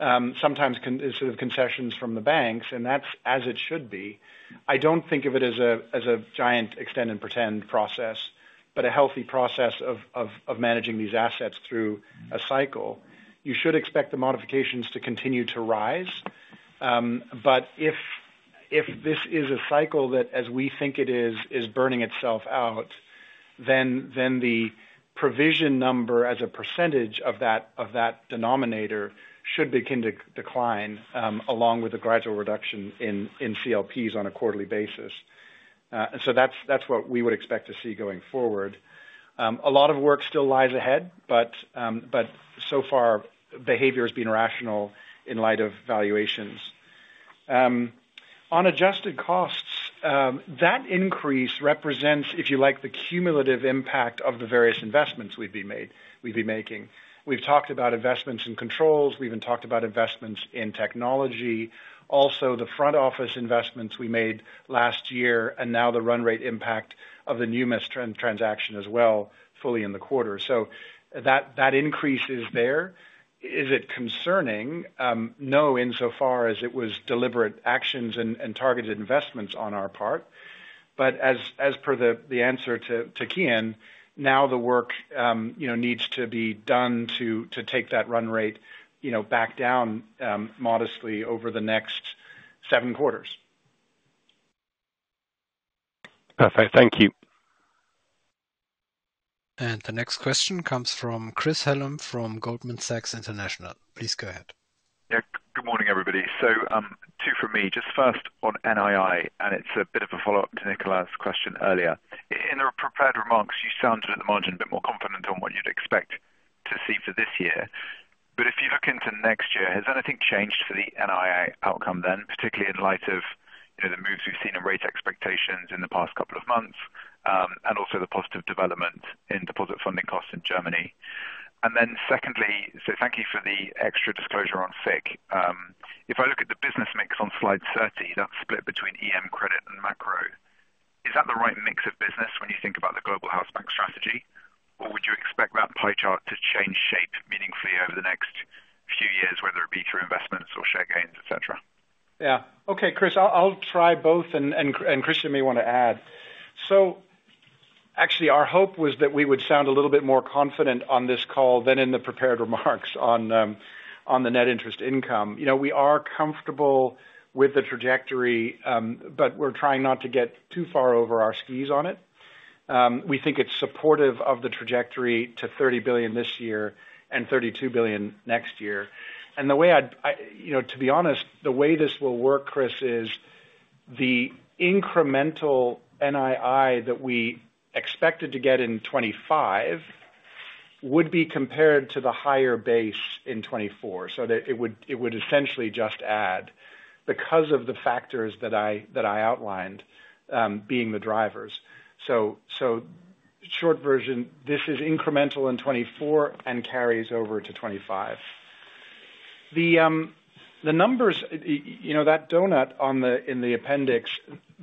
sometimes sort of concessions from the banks, and that's as it should be. I don't think of it as a giant extend and pretend process, but a healthy process of managing these assets through a cycle. You should expect the modifications to continue to rise, but if this is a cycle that, as we think it is, is burning itself out, then the provision number as a percentage of that denominator should begin to decline, along with a gradual reduction in CLPs on a quarterly basis. And so that's, that's what we would expect to see going forward. A lot of work still lies ahead, but so far behavior has been rational in light of valuations. On adjusted costs, that increase represents, if you like, the cumulative impact of the various investments we've been made, we've been making. We've talked about investments in controls. We even talked about investments in technology. Also, the front office investments we made last year, and now the run rate impact of the new Mes trend, transaction as well, fully in the quarter. So that, that increase is there. Is it concerning? No, insofar as it was deliberate actions and targeted investments on our part, but as per the answer to Kian, now the work, you know, needs to be done to take that run rate, you know, back down modestly over the next seven quarters. Perfect. Thank you. The next question comes from Chris Hallam, from Goldman Sachs International. Please go ahead. Yeah. Good morning, everybody. So, two for me. Just first on NII, and it's a bit of a follow-up to Kian's question earlier. In the prepared remarks, you sounded at the margin, a bit more confident on what you'd expect to see for this year. But if you look into next year, has anything changed for the NII outcome then, particularly in light of, you know, the moves we've seen in rate expectations in the past couple of months, and also the positive development in deposit funding costs in Germany? And then secondly, so thank you for the extra disclosure on FIC. If I look at the business mix on slide 30, that's split between EM credit and macro, is that the right mix of business when you think about the global house bank strategy, or would you expect that pie chart to change shape meaningfully over the next few years, whether it be through investments or share gains, et cetera? Yeah. Okay, Chris, I'll try both, and Christian may want to add. So actually, our hope was that we would sound a little bit more confident on this call than in the prepared remarks on the net interest income. You know, we are comfortable with the trajectory, but we're trying not to get too far over our skis on it. We think it's supportive of the trajectory to 30 billion this year and 32 billion next year. And the way I, you know, to be honest, the way this will work, Chris, is the incremental NII that we expected to get in 2025 would be compared to the higher base in 2024. So that it would essentially just add because of the factors that I outlined being the drivers. So, short version, this is incremental in 2024 and carries over to 2025. The numbers, you know, that donut on the, in the appendix,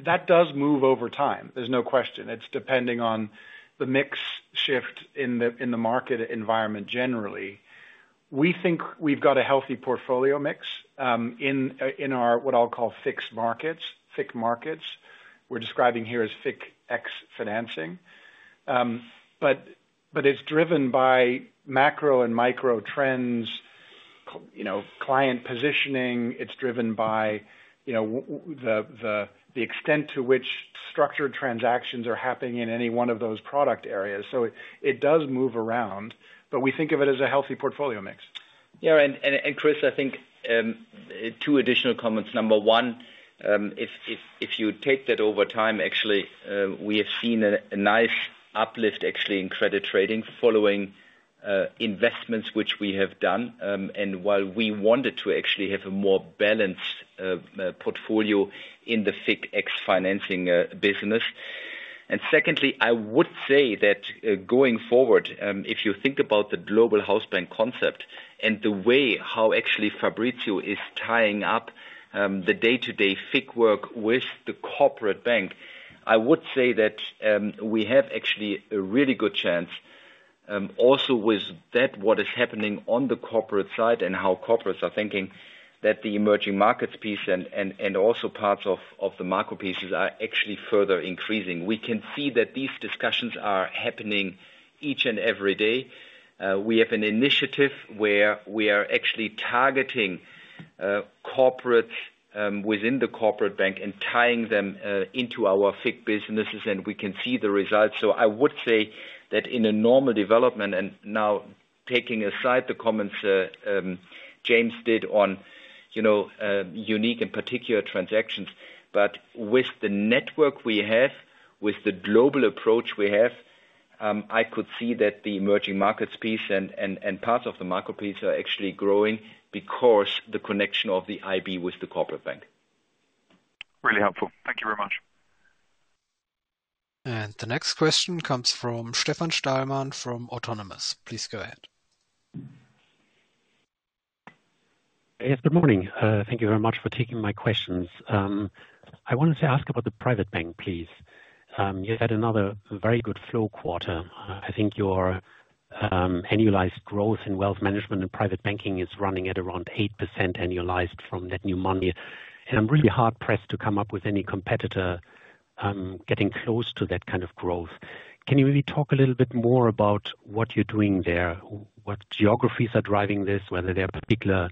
that does move over time. There's no question. It's depending on the mix shift in the, in the market environment generally. We think we've got a healthy portfolio mix, in our, what I'll call FIC markets, FIC markets. We're describing here as FIC ex financing. But it's driven by macro and micro trends, you know, client positioning. It's driven by, you know, the extent to which structured transactions are happening in any one of those product areas. So it does move around, but we think of it as a healthy portfolio mix. Yeah, and Chris, I think two additional comments. Number one, if you take that over time, actually, we have seen a nice uplift actually in credit trading following investments which we have done, and while we wanted to actually have a more balanced portfolio in the FIC financing business. And secondly, I would say that going forward, if you think about the global house bank concept and the way how actually Fabrizio is tying up the day-to-day FIC work with the corporate bank, I would say that we have actually a really good chance also with that, what is happening on the corporate side and how corporates are thinking that the emerging markets piece and also parts of the macro pieces are actually further increasing. We can see that these discussions are happening each and every day. We have an initiative where we are actually targeting corporates within the corporate bank and tying them into our FIC businesses, and we can see the results. So I would say that in a normal development, and now taking aside the comments James did on, you know, unique and particular transactions, but with the network we have, with the global approach we have, I could see that the emerging markets piece and parts of the market piece are actually growing because the connection of the IB with the corporate bank. Really helpful. Thank you very much. The next question comes from Stefan Stalmann from Autonomous. Please go ahead. Yes, good morning. Thank you very much for taking my questions. I wanted to ask about the private bank, please. You had another very good flow quarter. I think your annualized growth in wealth management and private banking is running at around 8% annualized from that new money, and I'm really hard pressed to come up with any competitor getting close to that kind of growth. Can you maybe talk a little bit more about what you're doing there, what geographies are driving this, whether there are particular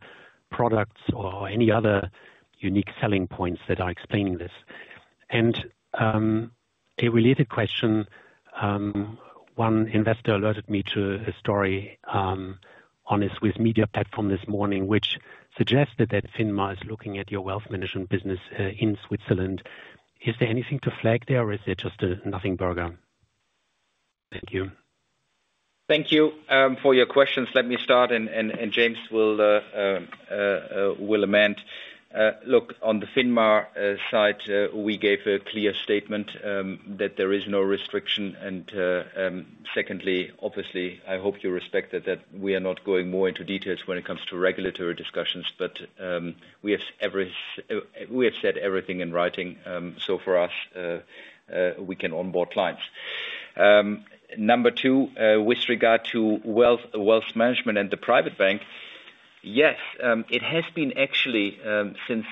products or any other unique selling points that are explaining this? And a related question, one investor alerted me to a story on a Swiss media platform this morning, which suggested that FINMA is looking at your wealth management business in Switzerland. Is there anything to flag there, or is it just a nothing burger? Thank you. Thank you, for your questions. Let me start, and James will amend. Look, on the FINMA side, we gave a clear statement, that there is no restriction, and, secondly, obviously, I hope you respect that, that we are not going more into details when it comes to regulatory discussions. But, we have said everything in writing, so for us, we can onboard clients. Number two, with regard to wealth, wealth management and the private bank, yes, it has been actually, since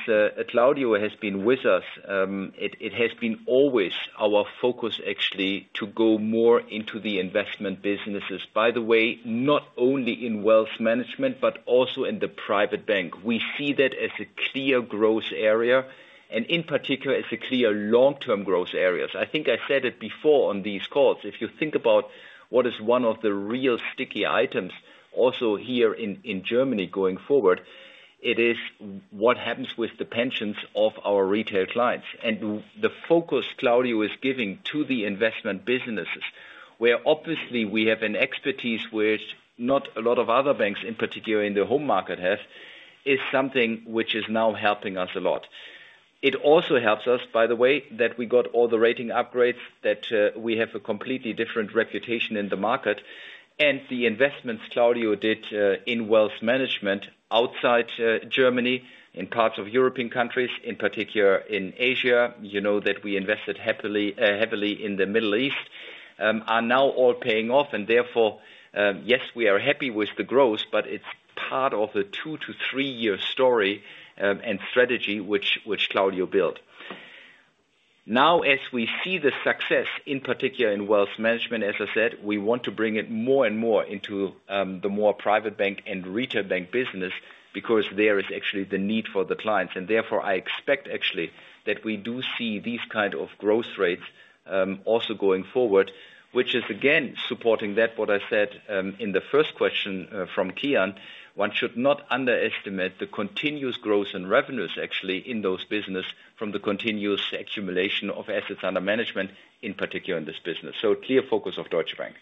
Claudio has been with us, it, it has been always our focus actually to go more into the investment businesses. By the way, not only in wealth management, but also in the private bank. We see that as a clear growth area, and in particular, as a clear long-term growth areas. I think I said it before on these calls, if you think about what is one of the real sticky items also here in Germany going forward. It is what happens with the pensions of our retail clients. And the focus Claudio is giving to the investment businesses, where obviously we have an expertise which not a lot of other banks, in particular in the home market have, is something which is now helping us a lot. It also helps us, by the way, that we got all the rating upgrades, that we have a completely different reputation in the market. And the investments Claudio did in wealth management outside Germany, in parts of European countries, in particular in Asia, you know that we invested happily heavily in the Middle East are now all paying off. And therefore, yes, we are happy with the growth, but it's part of a two to three-year story and strategy which, which Claudio built. Now, as we see the success, in particular in wealth management, as I said, we want to bring it more and more into the more private bank and retail bank business, because there is actually the need for the clients. And therefore, I expect actually that we do see these kind of growth rates also going forward, which is again supporting that what I said in the first question from Kian, one should not underestimate the continuous growth in revenues actually in those business from the continuous accumulation of assets under management, in particular in this business. So clear focus of Deutsche Bank.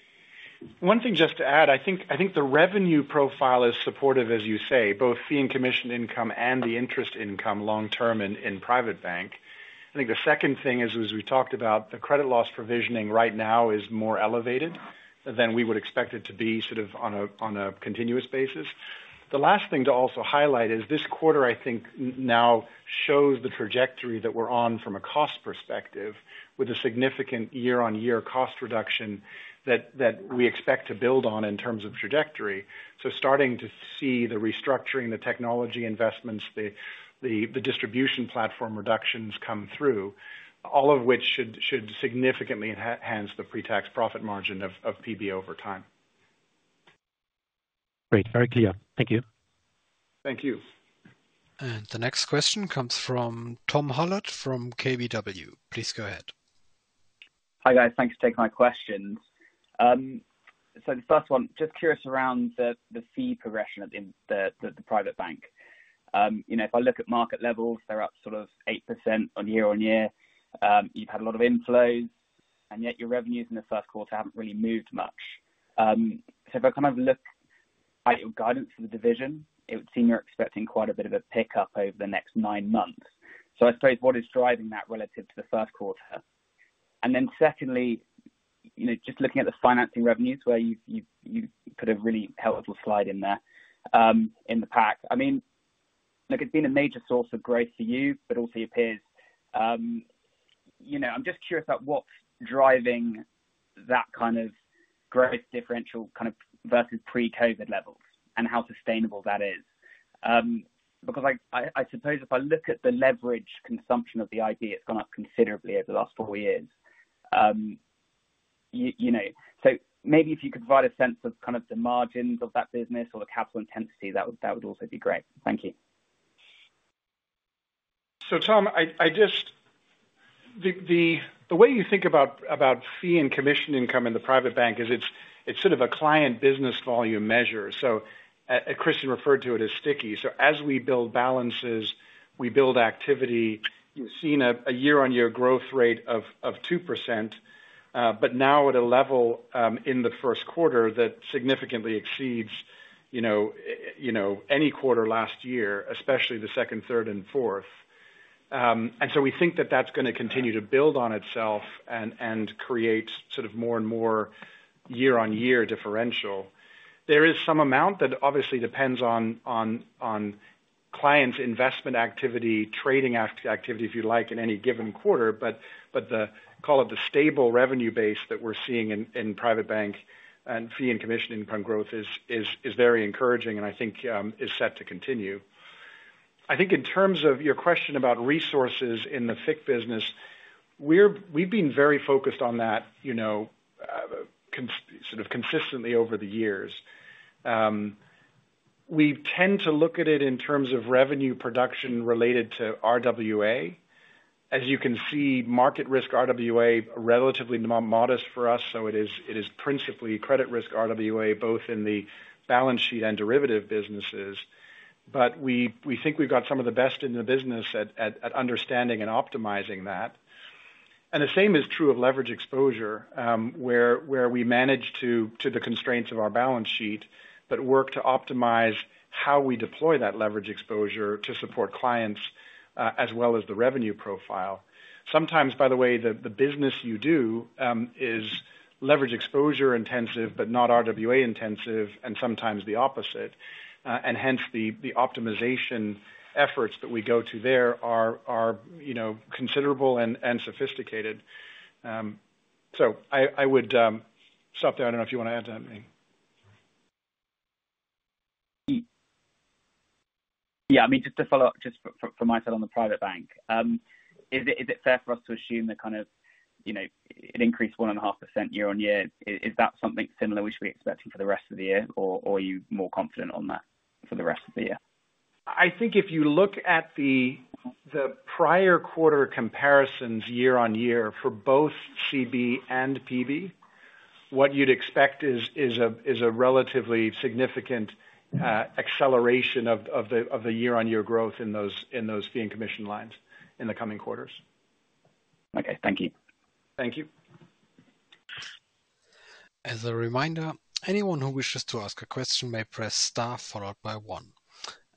One thing just to add, I think the revenue profile is supportive, as you say, both fee and commission income and the interest income long term in private bank. I think the second thing is, as we talked about, the credit loss provision right now is more elevated than we would expect it to be sort of on a continuous basis. The last thing to also highlight is this quarter, I think, now shows the trajectory that we're on from a cost perspective, with a significant year-on-year cost reduction that we expect to build on in terms of trajectory. So starting to see the restructuring, the technology investments, the distribution platform reductions come through, all of which should significantly enhance the pre-tax profit margin of PB over time. Great, very clear. Thank you. Thank you. The next question comes from Tom Maycock from KBW. Please go ahead. Hi, guys. Thanks for taking my questions. So the first one, just curious around the fee progression of the private bank. You know, if I look at market levels, they're up sort of 8% on year-on-year. You've had a lot of inflows, and yet your revenues in the first quarter haven't really moved much. So if I kind of look at your guidance for the division, it would seem you're expecting quite a bit of a pickup over the next nine months. So I suppose, what is driving that relative to the first quarter? And then secondly, you know, just looking at the financing revenues, where you've put a really helpful slide in there in the pack. I mean, like, it's been a major source of growth for you, but also appears, you know, I'm just curious about what's driving that kind of growth differential, kind of versus pre-COVID levels and how sustainable that is? Because I suppose if I look at the leverage consumption of the IP, it's gone up considerably over the last 4 years. You know, so maybe if you could provide a sense of kind of the margins of that business or the capital intensity, that would also be great. Thank you. So Tom, I just. The way you think about fee and commission income in the private bank is it's sort of a client business volume measure. So, Christian referred to it as sticky. So as we build balances, we build activity. You've seen a year-on-year growth rate of 2%, but now at a level in the first quarter that significantly exceeds, you know, any quarter last year, especially the second, third, and fourth. And so we think that that's gonna continue to build on itself and create sort of more and more year-on-year differential. There is some amount that obviously depends on clients' investment activity, trading activity, if you like, in any given quarter, but the... call it the stable revenue base that we're seeing in Private Bank and fee and commission income growth is very encouraging, and I think is set to continue. I think in terms of your question about resources in the FICC business, we've been very focused on that, you know, sort of consistently over the years. We tend to look at it in terms of revenue production related to RWA. As you can see, market risk RWA are relatively modest for us, so it is principally credit risk RWA, both in the balance sheet and derivative businesses. But we think we've got some of the best in the business at understanding and optimizing that. The same is true of leverage exposure, where we manage to the constraints of our balance sheet, but work to optimize how we deploy that leverage exposure to support clients, as well as the revenue profile. Sometimes, by the way, the business you do is leverage exposure intensive, but not RWA intensive, and sometimes the opposite. And hence the optimization efforts that we go to there are, you know, considerable and sophisticated. So I would stop there. I don't know if you want to add to that, me. Yeah, I mean, just to follow up, just for my side on the private bank. Is it fair for us to assume that kind of, you know, it increased 1.5% year-on-year, is that something similar we should be expecting for the rest of the year? Or are you more confident on that for the rest of the year? I think if you look at the prior quarter comparisons year-on-year for both CB and PB, what you'd expect is a relatively significant acceleration of the year-on-year growth in those fee and commission lines in the coming quarters. Okay, thank you. Thank you. As a reminder, anyone who wishes to ask a question may press star followed by one.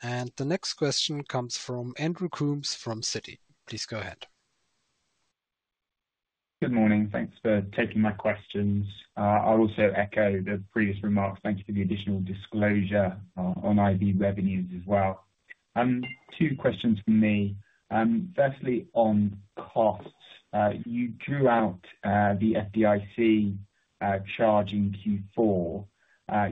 The next question comes from Andrew Coombs, from Citi. Please go ahead. Good morning. Thanks for taking my questions. I'll also echo the previous remarks. Thank you for the additional disclosure on IB revenues as well. Two questions from me. Firstly, on costs. You drew out the FDIC charge in Q4.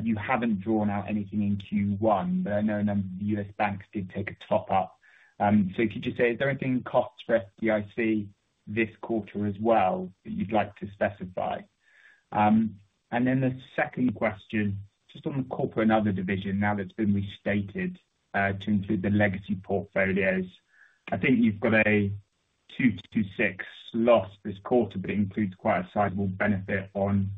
You haven't drawn out anything in Q1, but I know a number of the U.S. banks did take a top-up. So could you say, is there anything in cost for FDIC this quarter as well, that you'd like to specify? And then the second question, just on the corporate and other division, now that it's been restated to include the legacy portfolios. I think you've got a 2-6 million loss this quarter, but it includes quite a sizable benefit on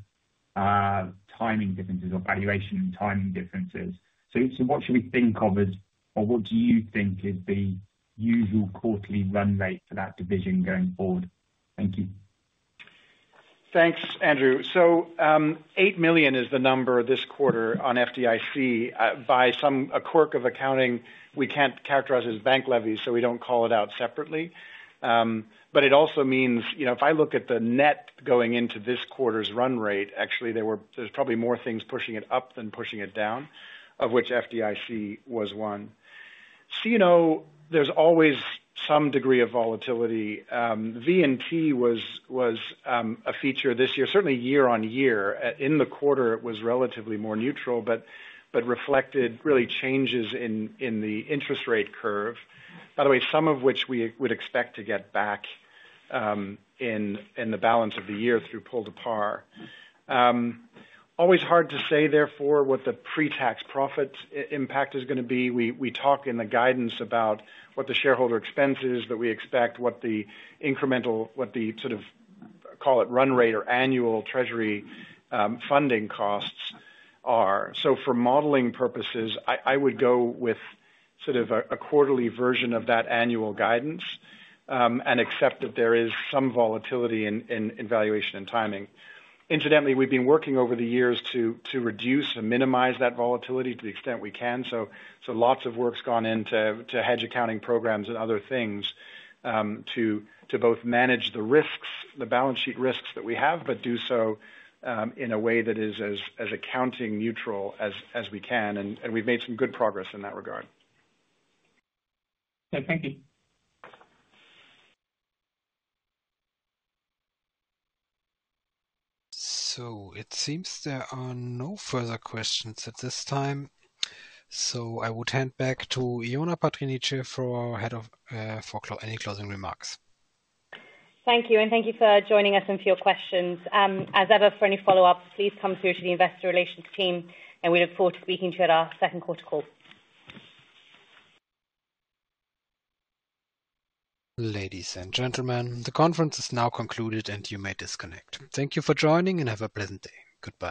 timing differences or valuation and timing differences. So, what should we think of as, or what do you think is the usual quarterly run rate for that division going forward? Thank you. Thanks, Andrew. So, $8 million is the number this quarter on FDIC. By some quirk of accounting, we can't characterize as bank levies, so we don't call it out separately. But it also means, you know, if I look at the net going into this quarter's run rate, actually, there were, there's probably more things pushing it up than pushing it down, of which FDIC was one. So, you know, there's always some degree of volatility. V&T was a feature this year, certainly year-on-year. In the quarter, it was relatively more neutral, but reflected really changes in the interest rate curve. By the way, some of which we would expect to get back in the balance of the year through pull to par. Always hard to say therefore, what the pre-tax profit impact is gonna be. We talk in the guidance about what the shareholder expenses that we expect, what the incremental, what the sort of, call it, run rate or annual treasury funding costs are. So for modeling purposes, I would go with sort of a quarterly version of that annual guidance, and accept that there is some volatility in valuation and timing. Incidentally, we've been working over the years to reduce and minimize that volatility to the extent we can. So, lots of work's gone into hedge accounting programs and other things to both manage the risks, the balance sheet risks that we have, but do so in a way that is as accounting neutral as we can, and we've made some good progress in that regard. Yeah, thank you. So it seems there are no further questions at this time. So I would hand back to Ioana Patriniche for ahead of any closing remarks. Thank you, and thank you for joining us and for your questions. As ever, for any follow-up, please come through to the investor relations team, and we look forward to speaking to you at our second quarter call. Ladies and gentlemen, the conference is now concluded, and you may disconnect. Thank you for joining, and have a pleasant day. Goodbye.